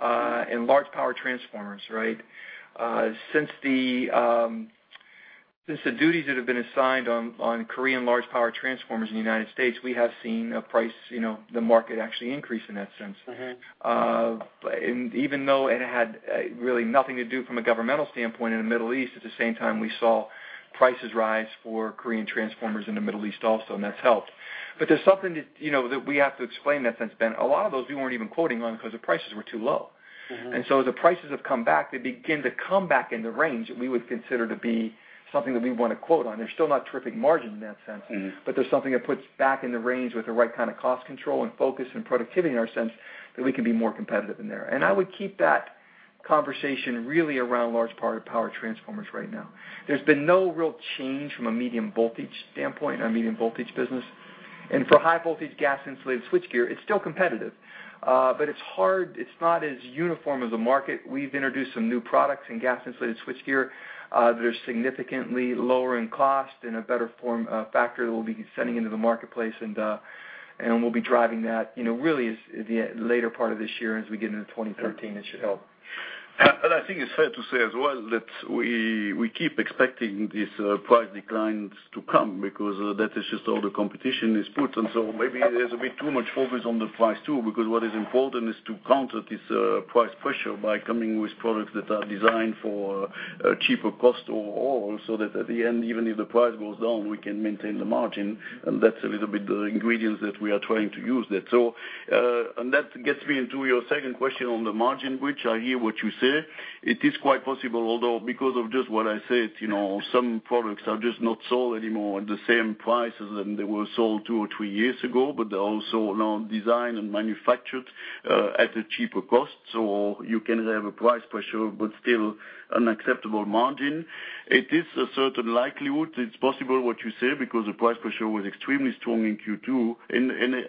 and large power transformers, right? Since the duties that have been assigned on Korean large power transformers in the U.S., we have seen a price, the market actually increase in that sense. Even though it had really nothing to do from a governmental standpoint in the Middle East, at the same time, we saw prices rise for Korean transformers in the Middle East also, and that's helped. There's something that we have to explain that since, Ben. A lot of those we weren't even quoting on because the prices were too low. As the prices have come back, they begin to come back in the range that we would consider to be something that we'd want to quote on. They're still not terrific margin in that sense. There's something that puts back in the range with the right kind of cost control and focus and productivity in our sense that we can be more competitive in there. Conversation really around large power transformers right now. There's been no real change from a medium voltage standpoint, our medium voltage business. For high voltage gas-insulated switchgear, it's still competitive. It's hard, it's not as uniform as a market. We've introduced some new products in gas-insulated switchgear, that are significantly lower in cost and a better form factor that we'll be sending into the marketplace and we'll be driving that, really the later part of this year as we get into 2013, it should help. I think it's fair to say as well that we keep expecting these price declines to come because that is just all the competition is put. Maybe there's a bit too much focus on the price too, because what is important is to counter this price pressure by coming with products that are designed for cheaper cost overall, so that at the end, even if the price goes down, we can maintain the margin. That's a little bit the ingredients that we are trying to use there. That gets me into your second question on the margin, which I hear what you say. It is quite possible, although, because of just what I said, some products are just not sold anymore at the same prices than they were sold two or three years ago, but they're also now designed and manufactured at a cheaper cost. You can have a price pressure, but still an acceptable margin. It is a certain likelihood. It's possible what you say because the price pressure was extremely strong in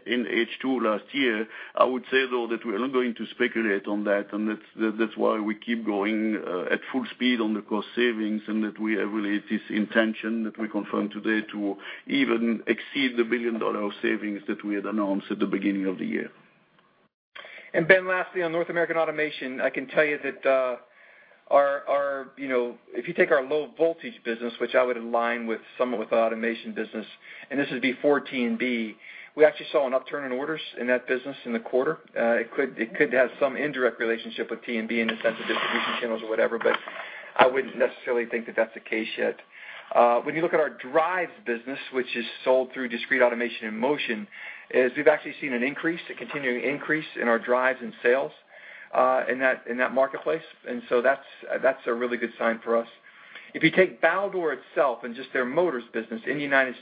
H2 last year. I would say, though, that we're not going to speculate on that, and that's why we keep going at full speed on the cost savings and that we have really this intention that we confirm today to even exceed the billion-dollar savings that we had announced at the beginning of the year. Ben, lastly, on North American automation, I can tell you that if you take our low voltage business, which I would align with some with the automation business, and this is before T&B, we actually saw an upturn in orders in that business in the quarter. It could have some indirect relationship with T&B in the sense of distribution channels or whatever, but I wouldn't necessarily think that that's the case yet. When you look at our drives business, which is sold through Discrete Automation and Motion, is we've actually seen an increase, a continuing increase in our drives and sales in that marketplace. That's a really good sign for us. If you take Baldor itself and just their motors business in the U.S.,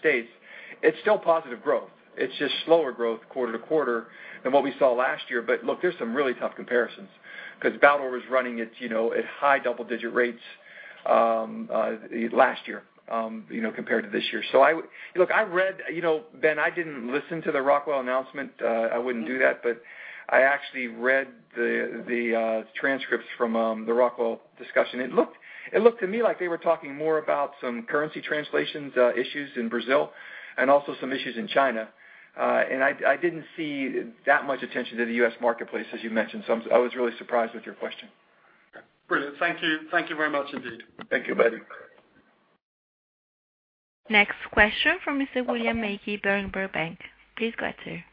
it's still positive growth. It's just slower growth quarter-to-quarter than what we saw last year. Look, there's some really tough comparisons because Baldor was running at high double-digit rates last year compared to this year. Ben, I didn't listen to the Rockwell Automation announcement. I wouldn't do that. I actually read the transcripts from the Rockwell Automation discussion. It looked to me like they were talking more about some currency translations issues in Brazil and also some issues in China. I didn't see that much attention to the U.S. marketplace as you mentioned. I was really surprised with your question. Brilliant. Thank you. Thank you very much indeed. Thank you, buddy. Next question from Mr. William Mackie, Berenberg Bank. Please go ahead, sir.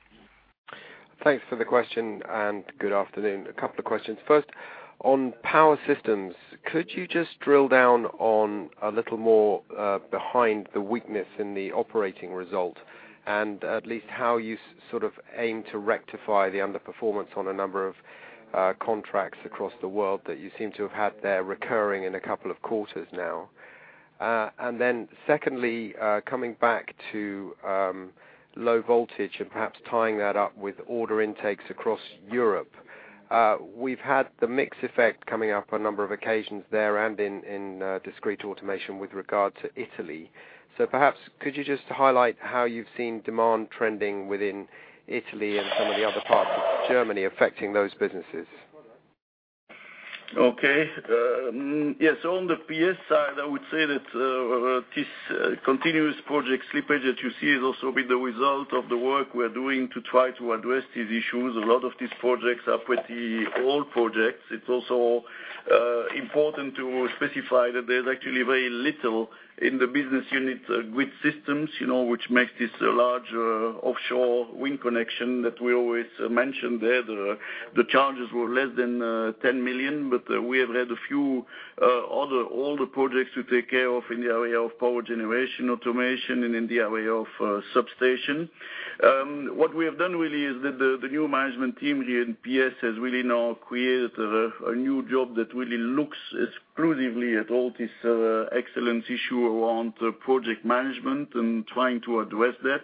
Thanks for the question and good afternoon. A couple of questions. First, on Power Systems, could you just drill down on a little more behind the weakness in the operating result, at least how you sort of aim to rectify the underperformance on a number of contracts across the world that you seem to have had there recurring in a couple of quarters now? Secondly, coming back to Low Voltage and perhaps tying that up with order intakes across Europe. We've had the mix effect coming up on a number of occasions there and in Discrete Automation with regard to Italy. Perhaps could you just highlight how you've seen demand trending within Italy and some of the other parts of Germany affecting those businesses? Yes, on the PS side, I would say that this continuous project slippage that you see has also been the result of the work we're doing to try to address these issues. A lot of these projects are pretty old projects. It's also important to specify that there's actually very little in the business unit Grid Systems, which makes this a large offshore wind connection that we always mention there. The charges were less than $10 million, we have had a few other older projects to take care of in the area of power generation automation and in the area of substation. What we have done really is the new management team here in PS has really now created a new job that really looks exclusively at all this excellence issue around project management and trying to address that.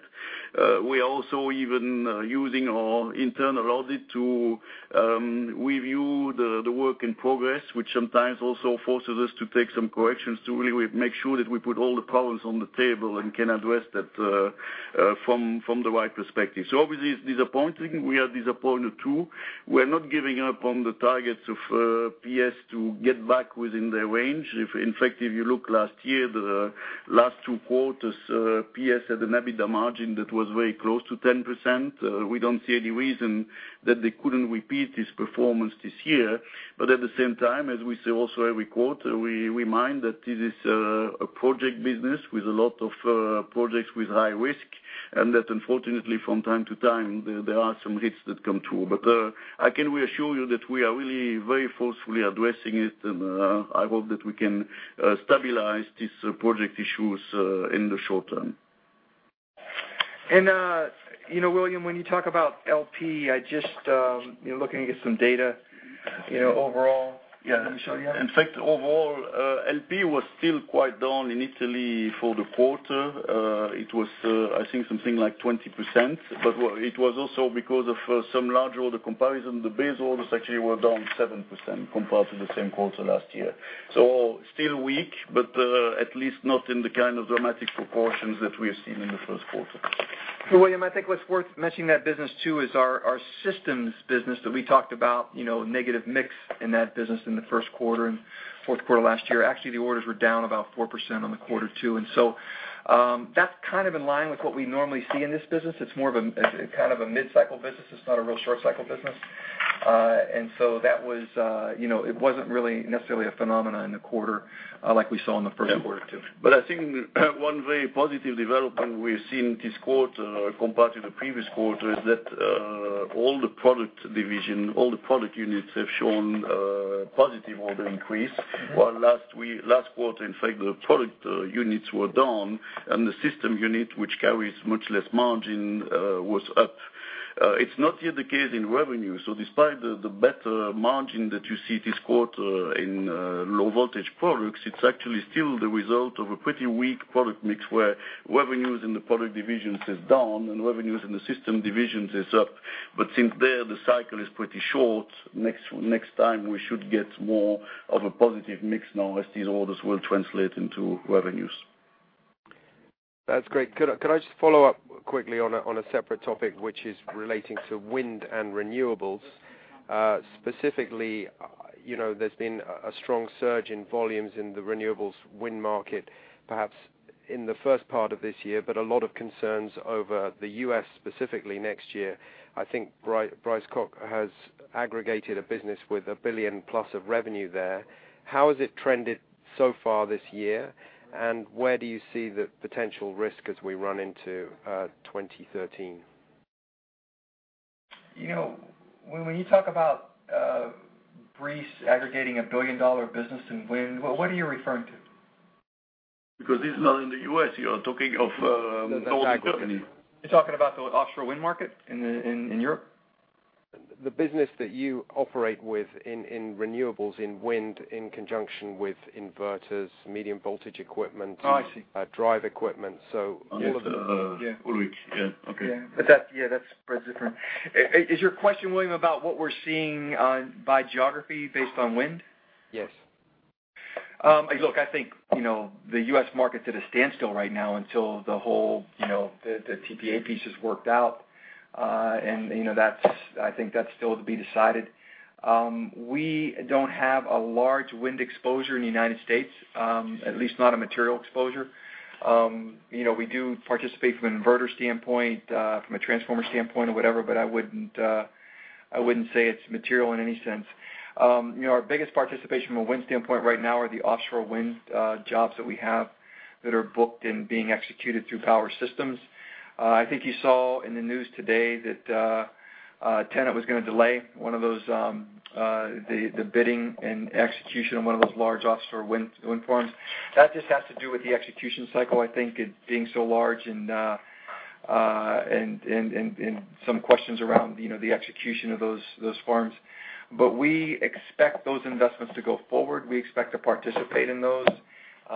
We also even using our internal audit to review the work in progress, which sometimes also forces us to take some corrections to really make sure that we put all the problems on the table and can address that from the right perspective. Obviously, it's disappointing. We are disappointed too. We're not giving up on the targets of PS to get back within their range. In fact, if you look last year, the last two quarters, PS had an EBITDA margin that was very close to 10%. We don't see any reason that they couldn't repeat this performance this year. At the same time, as we say also every quarter, we remind that this is a project business with a lot of projects with high risk, and that unfortunately from time to time, there are some hits that come through. I can reassure you that we are really very forcefully addressing it, and I hope that we can stabilize these project issues in the short term. William, when you talk about LP, I just looking at some data overall. Yeah. Let me show you. In fact, overall, LP was still quite down in Italy for the quarter. It was I think something like 20%, but it was also because of some large order comparison. The base orders actually were down 7% compared to the same quarter last year. Still weak, but at least not in the kind of dramatic proportions that we have seen in the first quarter. William, I think what's worth mentioning that business, too, is our systems business that we talked about, negative mix in that business in the first quarter and fourth quarter last year. Actually, the orders were down about 4% on the quarter, too. That's kind of in line with what we normally see in this business. It's more of a mid-cycle business. It's not a real short-cycle business. It wasn't really necessarily a phenomenon in the quarter, like we saw in the first quarter, too. I think one very positive development we've seen this quarter compared to the previous quarter is that, all the product division, all the product units have shown a positive order increase. Last quarter, in fact, the product units were down and the system unit, which carries much less margin, was up. It's not yet the case in revenue. Despite the better margin that you see this quarter in Low Voltage Products, it's actually still the result of a pretty weak product mix where revenues in the product divisions is down and revenues in the system divisions is up. Since there the cycle is pretty short, next time we should get more of a positive mix now as these orders will translate into revenues. That's great. Could I just follow up quickly on a separate topic, which is relating to wind and renewables? Specifically, there's been a strong surge in volumes in the renewables wind market, perhaps in the first part of this year, but a lot of concerns over the U.S. specifically next year. I think Brice Koch has aggregated a business with a billion-plus of revenue there. How has it trended so far this year, and where do you see the potential risk as we run into 2013? When you talk about Bryce aggregating a billion-dollar business in wind, what are you referring to? This is not in the U.S. You are talking of Northern Germany. You're talking about the offshore wind market in Europe? The business that you operate with in renewables, in wind, in conjunction with inverters, medium-voltage equipment. Oh, I see. drive equipment, so all of it. Yes. Ulrich. Yeah, okay. Yeah. That's spread different. Is your question, William, about what we're seeing by geography based on wind? Yes. Look, I think, the U.S. market's at a standstill right now until the whole PTC piece is worked out. I think that's still to be decided. We don't have a large wind exposure in the United States, at least not a material exposure. We do participate from an inverter standpoint, from a transformer standpoint or whatever, but I wouldn't say it's material in any sense. Our biggest participation from a wind standpoint right now are the offshore wind jobs that we have that are booked and being executed through Power Systems. I think you saw in the news today that TenneT was going to delay the bidding and execution of one of those large offshore wind farms. That just has to do with the execution cycle, I think, it being so large and some questions around the execution of those farms. We expect those investments to go forward. We expect to participate in those.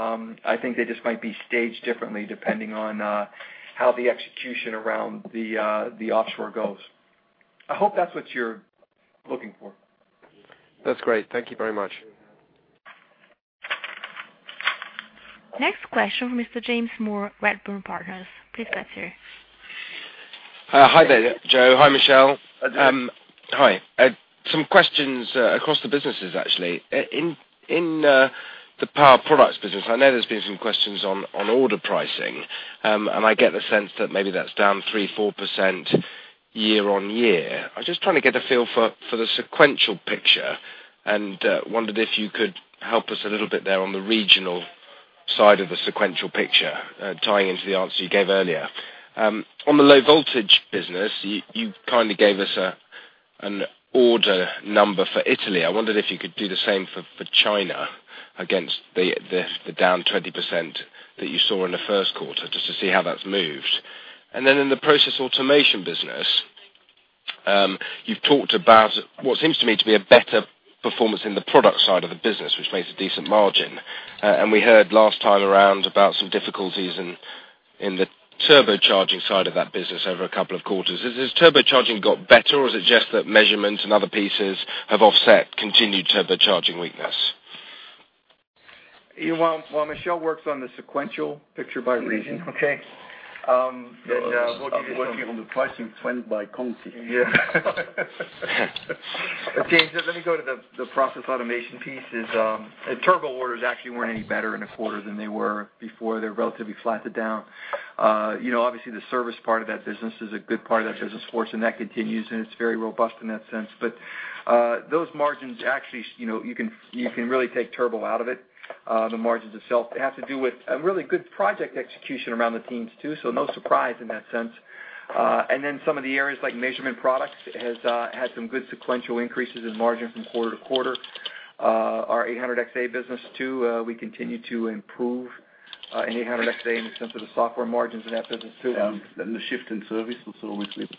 I think they just might be staged differently depending on how the execution around the offshore goes. I hope that's what you're looking for. That's great. Thank you very much. Next question from Mr. James Moore, Redburn Partners. Please go ahead, sir. Hi there, Joe. Hi, Michel. Hi, James. Hi. Some questions across the businesses, actually. In the Power Products business, I know there's been some questions on order pricing. I get the sense that maybe that's down 3%-4% year-on-year. I was just trying to get a feel for the sequential picture, and wondered if you could help us a little bit there on the regional side of the sequential picture, tying into the answer you gave earlier. On the Low Voltage business, you kindly gave us an order number for Italy. I wondered if you could do the same for China against the down 20% that you saw in the first quarter, just to see how that's moved. Then in the Process Automation business, you've talked about what seems to me to be a better performance in the product side of the business, which makes a decent margin. We heard last time around about some difficulties in the turbocharging side of that business over a couple of quarters. Has turbocharging got better, or is it just that measurements and other pieces have offset continued turbocharging weakness? While Michel works on the sequential picture by region, okay? I'm working on the pricing trend by country. Yeah. Okay. Let me go to the Process Automation piece is, turbo orders actually weren't any better in a quarter than they were before. They're relatively flat to down. Obviously, the service part of that business is a good part of that business for us, and that continues, and it's very robust in that sense. Those margins actually, you can really take turbo out of it. The margins themselves, they have to do with a really good project execution around the teams, too, so no surprise in that sense. Some of the areas like measurement products has had some good sequential increases in margin from quarter to quarter. Our 800xA business too, we continue to improve 800xA in terms of the software margins in that business too. The shift in service also with service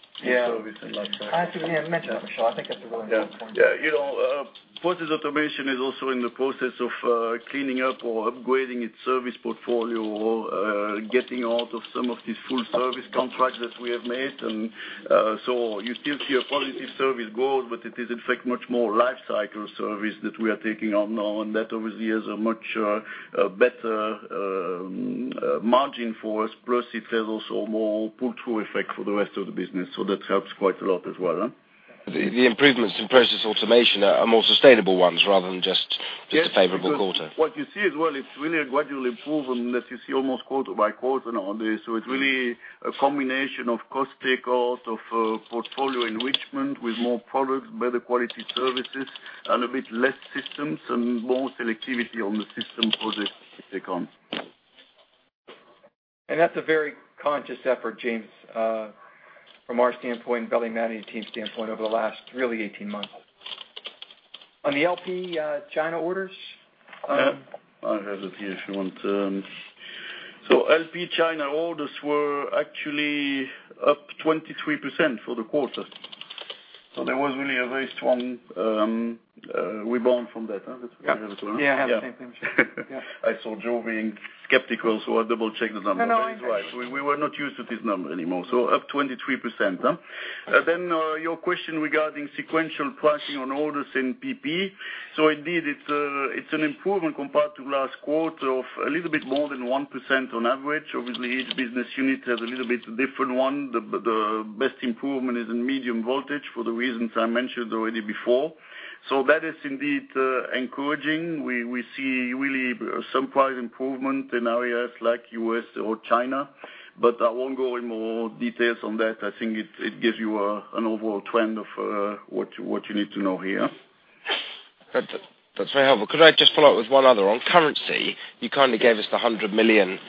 and like that. I actually didn't mention it, Michel. I think that's a really good point. Yeah. Process Automation is also in the process of cleaning up or upgrading its service portfolio, getting out of some of these full-service contracts that we have made. You still see a positive service growth, but it is in fact much more life cycle service that we are taking on now, and that obviously is a much better margin for us. It has also more pull-through effect for the rest of the business, so that helps quite a lot as well. The improvements in Process Automation are more sustainable ones rather than just. Yes it's a favorable quarter. What you see as well, it's really a gradual improvement that you see almost quarter by quarter now on this. It's really a combination of cost takeout, of portfolio enrichment with more products, better quality services, a little bit less systems, and more selectivity on the system projects they take on. That's a very conscious effort, James, from our standpoint and Veli-Matti and team's standpoint over the last really 18 months. On the LP China orders? I have it here if you want. LP China orders were actually up 23% for the quarter. There was really a very strong rebound from that. Is that what you refer to? Yeah, I have the same thing. I saw Joe being skeptical. I double-check the number. No, no. He's right. We were not used to this number anymore. Up 23%. Your question regarding sequential pricing on orders in PP. Indeed, it's an improvement compared to last quarter of a little bit more than 1% on average. Obviously, each business unit has a little bit different one. The best improvement is in medium voltage for the reasons I mentioned already before. That is indeed encouraging. We see really some price improvement in areas like U.S. or China, but I won't go in more details on that. I think it gives you an overall trend of what you need to know here. That's very helpful. Could I just follow up with one other? On currency, you kind of gave us the $100 million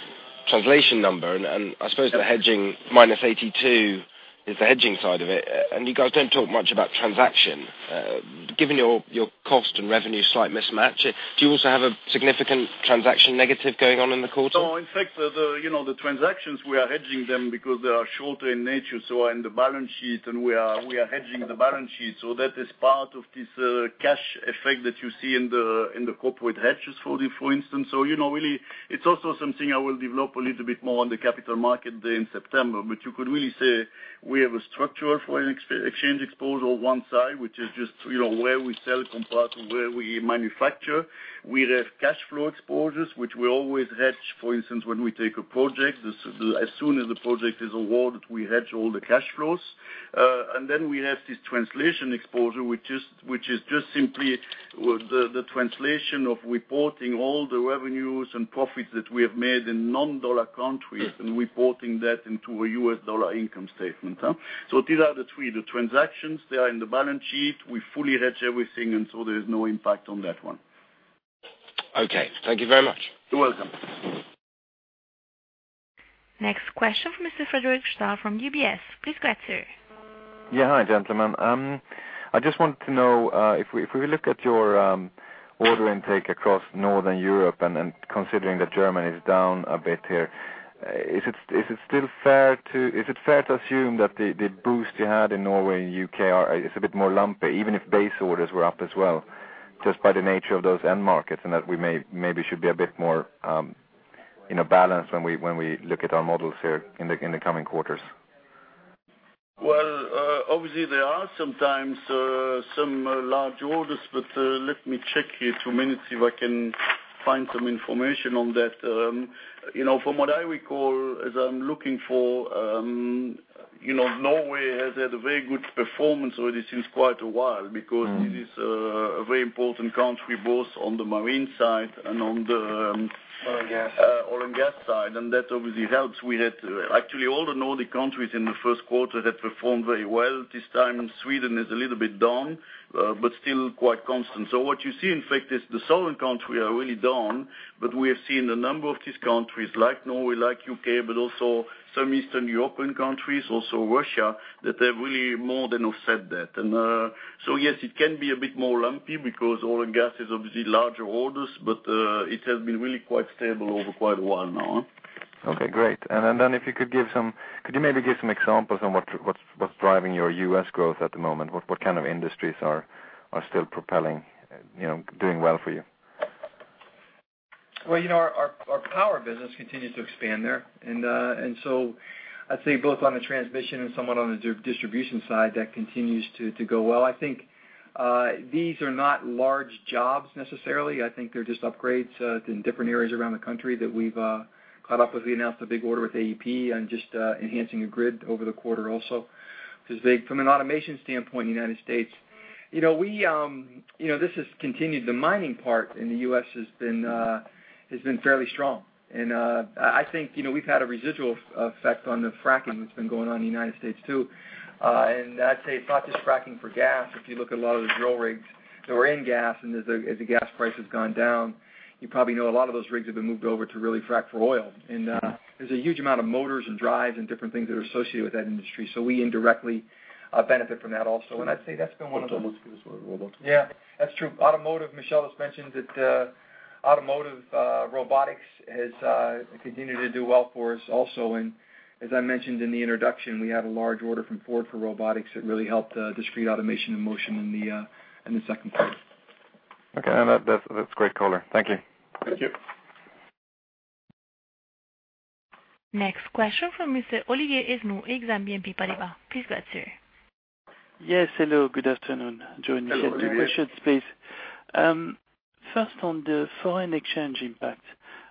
translation number, and I suppose the hedging minus $82 is the hedging side of it. You guys don't talk much about transaction. Given your cost and revenue slight mismatch, do you also have a significant transaction negative going on in the quarter? No, in fact, the transactions, we are hedging them because they are shorter in nature. Are in the balance sheet, and we are hedging the balance sheet. That is part of this cash effect that you see in the corporate hedges for instance. Really, it's also something I will develop a little bit more on the Capital Markets Day in September. You could really say we have a structure for an exchange exposure one side, which is just where we sell compared to where we manufacture. We have cash flow exposures, which we always hedge. For instance, when we take a project, as soon as the project is awarded, we hedge all the cash flows. Then we have this translation exposure, which is just simply the translation of reporting all the revenues and profits that we have made in non-dollar countries and reporting that into a U.S. dollar income statement. These are the three. The transactions, they are in the balance sheet. We fully hedge everything, there is no impact on that one. Okay. Thank you very much. You're welcome. Next question from Mr. Fredric Stahl from UBS. Please go ahead, sir. Yeah. Hi, gentlemen. I just wanted to know, if we look at your order intake across Northern Europe and then considering that Germany is down a bit here, is it fair to assume that the boost you had in Norway and U.K. is a bit more lumpy, even if base orders were up as well, just by the nature of those end markets, and that we maybe should be a bit more in a balance when we look at our models here in the coming quarters? Well, obviously, there are sometimes some large orders, but let me check here two minutes if I can find some information on that. From what I recall, as I'm looking for, Norway has had a very good performance already since quite a while because it is a very important country, both on the marine side and on the- Oil and gas That obviously helps. Actually, all the Nordic countries in the first quarter have performed very well. This time, Sweden is a little bit down, but still quite constant. What you see, in fact, is the southern countries are really down, but we have seen a number of these countries like Norway, like U.K., but also some Eastern European countries, also Russia, that have really more than offset that. Yes, it can be a bit more lumpy because oil and gas is obviously larger orders, but it has been really quite stable over quite a while now. Okay, great. If you could maybe give some examples on what's driving your U.S. growth at the moment? What kind of industries are still propelling, doing well for you? Well, our power business continues to expand there. I'd say both on the transmission and somewhat on the distribution side, that continues to go well. I think these are not large jobs necessarily. I think they're just upgrades in different areas around the country that we've caught up with. We announced a big order with AEP and just enhancing a grid over the quarter also. From an automation standpoint in the U.S., this has continued. The mining part in the U.S. has been fairly strong. I think we've had a residual effect on the fracking that's been going on in the U.S., too. I'd say it's not just fracking for gas. If you look at a lot of the drill rigs that were in gas, and as the gas price has gone down, you probably know a lot of those rigs have been moved over to really frack for oil. There's a huge amount of motors and drives and different things that are associated with that industry. We indirectly benefit from that also. I'd say that's been one of the. Automotive as well, robotics. Yeah, that's true. Automotive, Michel has mentioned that automotive robotics has continued to do well for us also. As I mentioned in the introduction, we had a large order from Ford for robotics that really helped Discrete Automation and Motion in the second quarter. Okay. That's great, color. Thank you. Thank you. Next question from Mr. Olivier Esnou, Exane BNP Paribas. Please go ahead, sir. Yes, hello. Good afternoon, Joe and Michel. Hello, Olivier. Two questions, please. First, on the foreign exchange impact,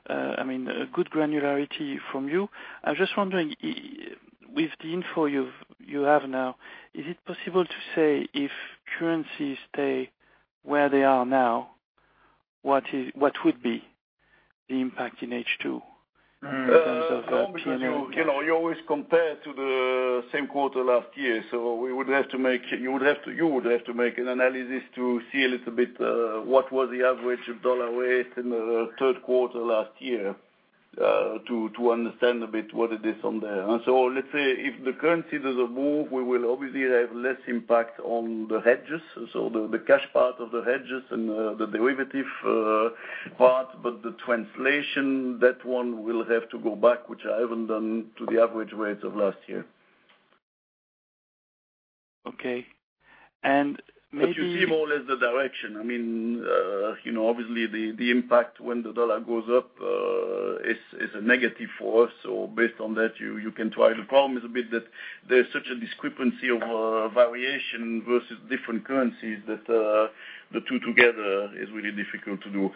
a good granularity from you. I was just wondering, with the info you have now, is it possible to say if currencies stay where they are now, what would be the impact in H2 in terms of T&D impact? You always compare to the same quarter last year. You would have to make an analysis to see a little bit what was the average dollar weight in the third quarter last year to understand a bit what it is on there. Let's say, if the currency doesn't move, we will obviously have less impact on the hedges. The cash part of the hedges and the derivative part. The translation, that one will have to go back, which I haven't done to the average rates of last year. Okay. Maybe. You see more or less the direction. Obviously, the impact when the dollar goes up is a negative for us. Based on that, you can try. The problem is a bit that there's such a discrepancy of variation versus different currencies that the two together is really difficult to do.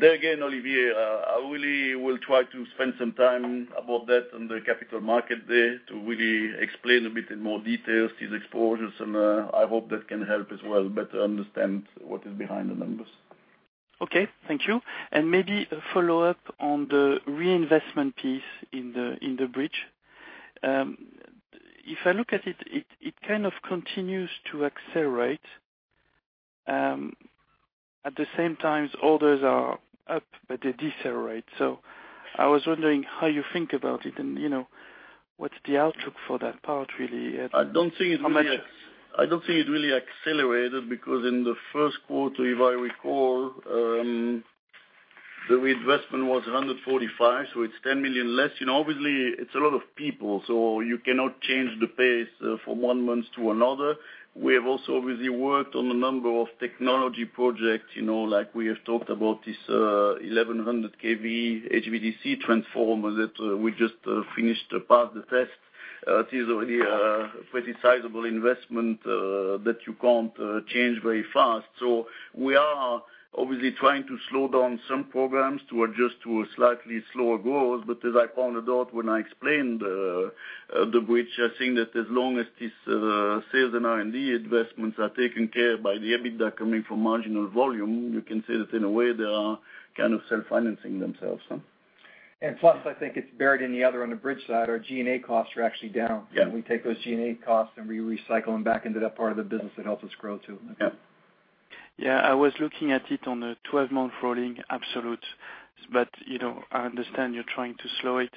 There again, Olivier, I really will try to spend some time about that on the Capital Markets Day to really explain a bit in more details these exposures. I hope that can help as well better understand what is behind the numbers. Okay, thank you. Maybe a follow-up on the reinvestment piece in the bridge. If I look at it kind of continues to accelerate. At the same time, orders are up, they decelerate. I was wondering how you think about it, and what's the outlook for that part, really? I don't think it really accelerated because in the first quarter, if I recall, the reinvestment was $145 million, so it's $10 million less. Obviously, it's a lot of people, so you cannot change the pace from one month to another. We have also obviously worked on a number of technology projects, like we have talked about this 1,100 kV HVDC transformer that we just finished passed the test. It is already a pretty sizable investment that you can't change very fast. We are obviously trying to slow down some programs to adjust to a slightly slower growth. As I pointed out when I explained the bridge, I think that as long as these sales and R&D investments are taken care of by the EBITDA coming from marginal volume, you can say that in a way they are kind of self-financing themselves. Plus, I think it's buried in the other on the bridge side, our G&A costs are actually down. Yeah. We take those G&A costs and we recycle them back into that part of the business that helps us grow, too. Yeah. Yeah, I was looking at it on a 12-month rolling absolute. I understand you're trying to slow it.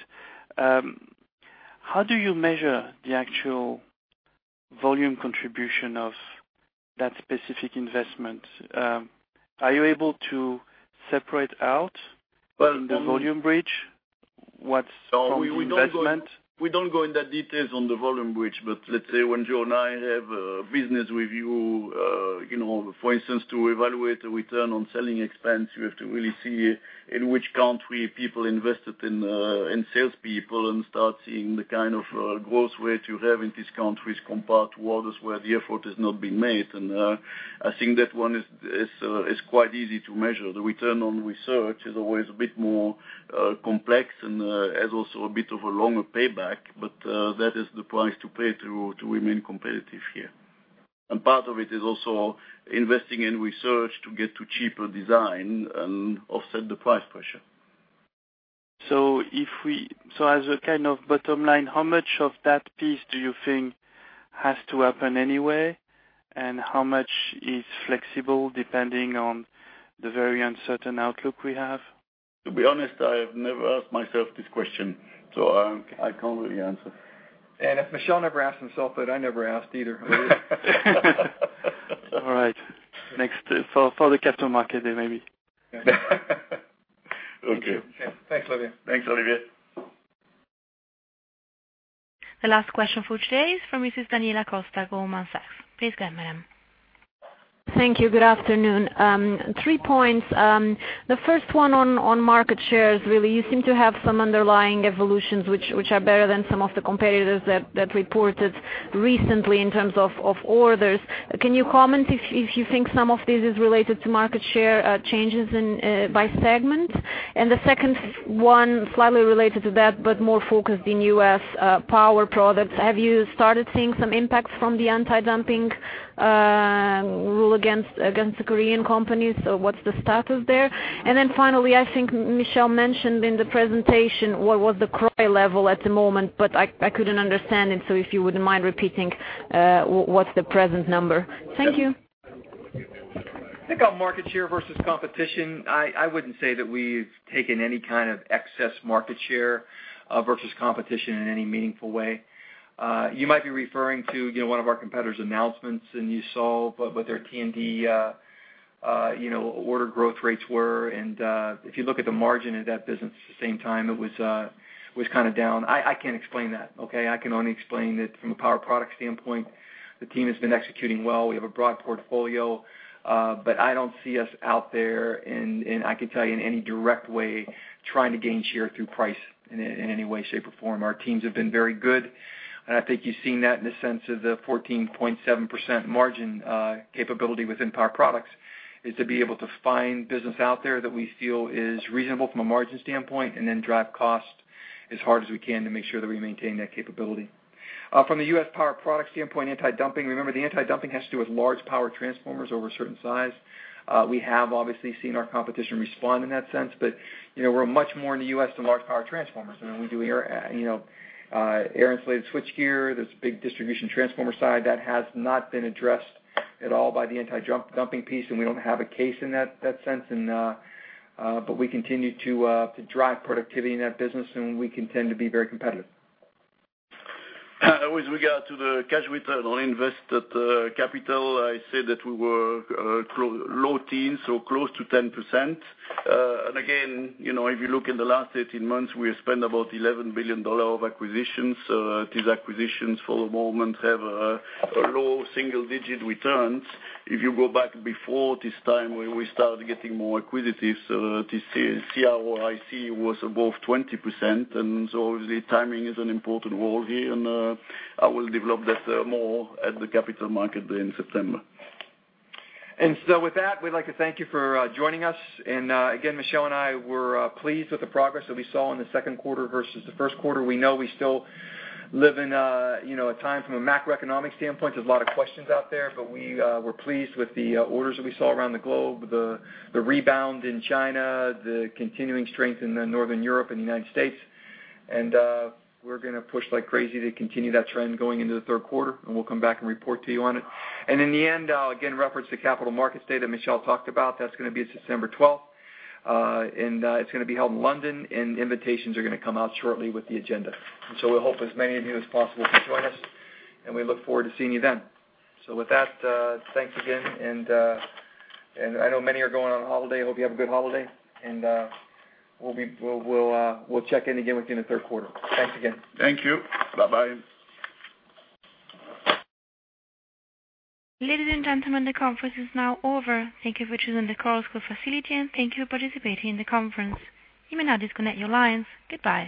How do you measure the actual volume contribution of that specific investment? Are you able to separate out from the volume bridge what's from the investment? We don't go in that details on the volume bridge. Let's say when Joe and I have a business review, for instance, to evaluate a return on selling expense, we have to really see in which country people invested in salespeople and start seeing the kind of growth rate you have in these countries compared to others where the effort has not been made. I think that one is quite easy to measure. The return on research is always a bit more complex and has also a bit of a longer payback, but that is the price to pay to remain competitive here. Part of it is also investing in research to get to cheaper design and offset the price pressure. As a kind of bottom line, how much of that piece do you think has to happen anyway? How much is flexible depending on the very uncertain outlook we have? To be honest, I have never asked myself this question, so I can't really answer. If Michel never asked himself that, I never asked either. All right. For the Capital Markets Day, maybe. Okay. Thanks, Olivier. Thanks, Olivier. The last question for today is from Mrs. Daniela Costa, Goldman Sachs. Please go ahead, madam. Thank you. Good afternoon. Three points. The first one on market shares, really. You seem to have some underlying evolutions which are better than some of the competitors that reported recently in terms of orders. Can you comment if you think some of this is related to market share changes by segment? The second one, slightly related to that, but more focused in U.S. Power Products. Have you started seeing some impacts from the anti-dumping rule against the Korean companies? What's the status there? Finally, I think Michel mentioned in the presentation what was the CROIC level at the moment, but I couldn't understand it. If you wouldn't mind repeating what's the present number. Thank you. I think on market share versus competition, I wouldn't say that we've taken any kind of excess market share versus competition in any meaningful way. You might be referring to one of our competitors' announcements, and you saw with their T&D Order growth rates were, and if you look at the margin in that business, at the same time, it was kind of down. I can't explain that, okay? I can only explain that from a Power Products standpoint, the team has been executing well. We have a broad portfolio. I don't see us out there in, I can tell you, in any direct way, trying to gain share through price in any way, shape, or form. Our teams have been very good, and I think you've seen that in the sense of the 14.7% margin capability within Power Products, is to be able to find business out there that we feel is reasonable from a margin standpoint, and then drive cost as hard as we can to make sure that we maintain that capability. From the U.S. Power Products standpoint, anti-dumping, remember, the anti-dumping has to do with large power transformers over a certain size. We have obviously seen our competition respond in that sense. We're much more in the U.S. than large power transformers. We do air-insulated switchgear. There's a big distribution transformer side that has not been addressed at all by the anti-dumping piece, and we don't have a case in that sense. We continue to drive productivity in that business, and we can tend to be very competitive. With regard to the cash return on invested capital, I said that we were low teens or close to 10%. Again, if you look in the last 18 months, we have spent about $11 billion of acquisitions. These acquisitions, for the moment, have low single-digit returns. If you go back before this time, when we started getting more acquisitive, this CROIC was above 20%. Obviously, timing is an important role here, and I will develop that more at the Capital Markets Day in September. With that, we'd like to thank you for joining us. Again, Michel and I were pleased with the progress that we saw in the second quarter versus the first quarter. We know we still live in a time from a macroeconomic standpoint, there's a lot of questions out there, but we were pleased with the orders that we saw around the globe, the rebound in China, the continuing strength in Northern Europe and the U.S. We're going to push like crazy to continue that trend going into the third quarter, and we'll come back and report to you on it. In the end, I'll again reference the Capital Markets Day that Michel talked about. That's going to be September 12th. It's going to be held in London, and invitations are going to come out shortly with the agenda. We hope as many of you as possible can join us, and we look forward to seeing you then. With that, thanks again, and I know many are going on holiday. Hope you have a good holiday, and we'll check in again with you in the third quarter. Thanks again. Thank you. Bye-bye. Ladies and gentlemen, the conference is now over. Thank you for choosing the Chorus Call facility, and thank you for participating in the conference. You may now disconnect your lines. Goodbye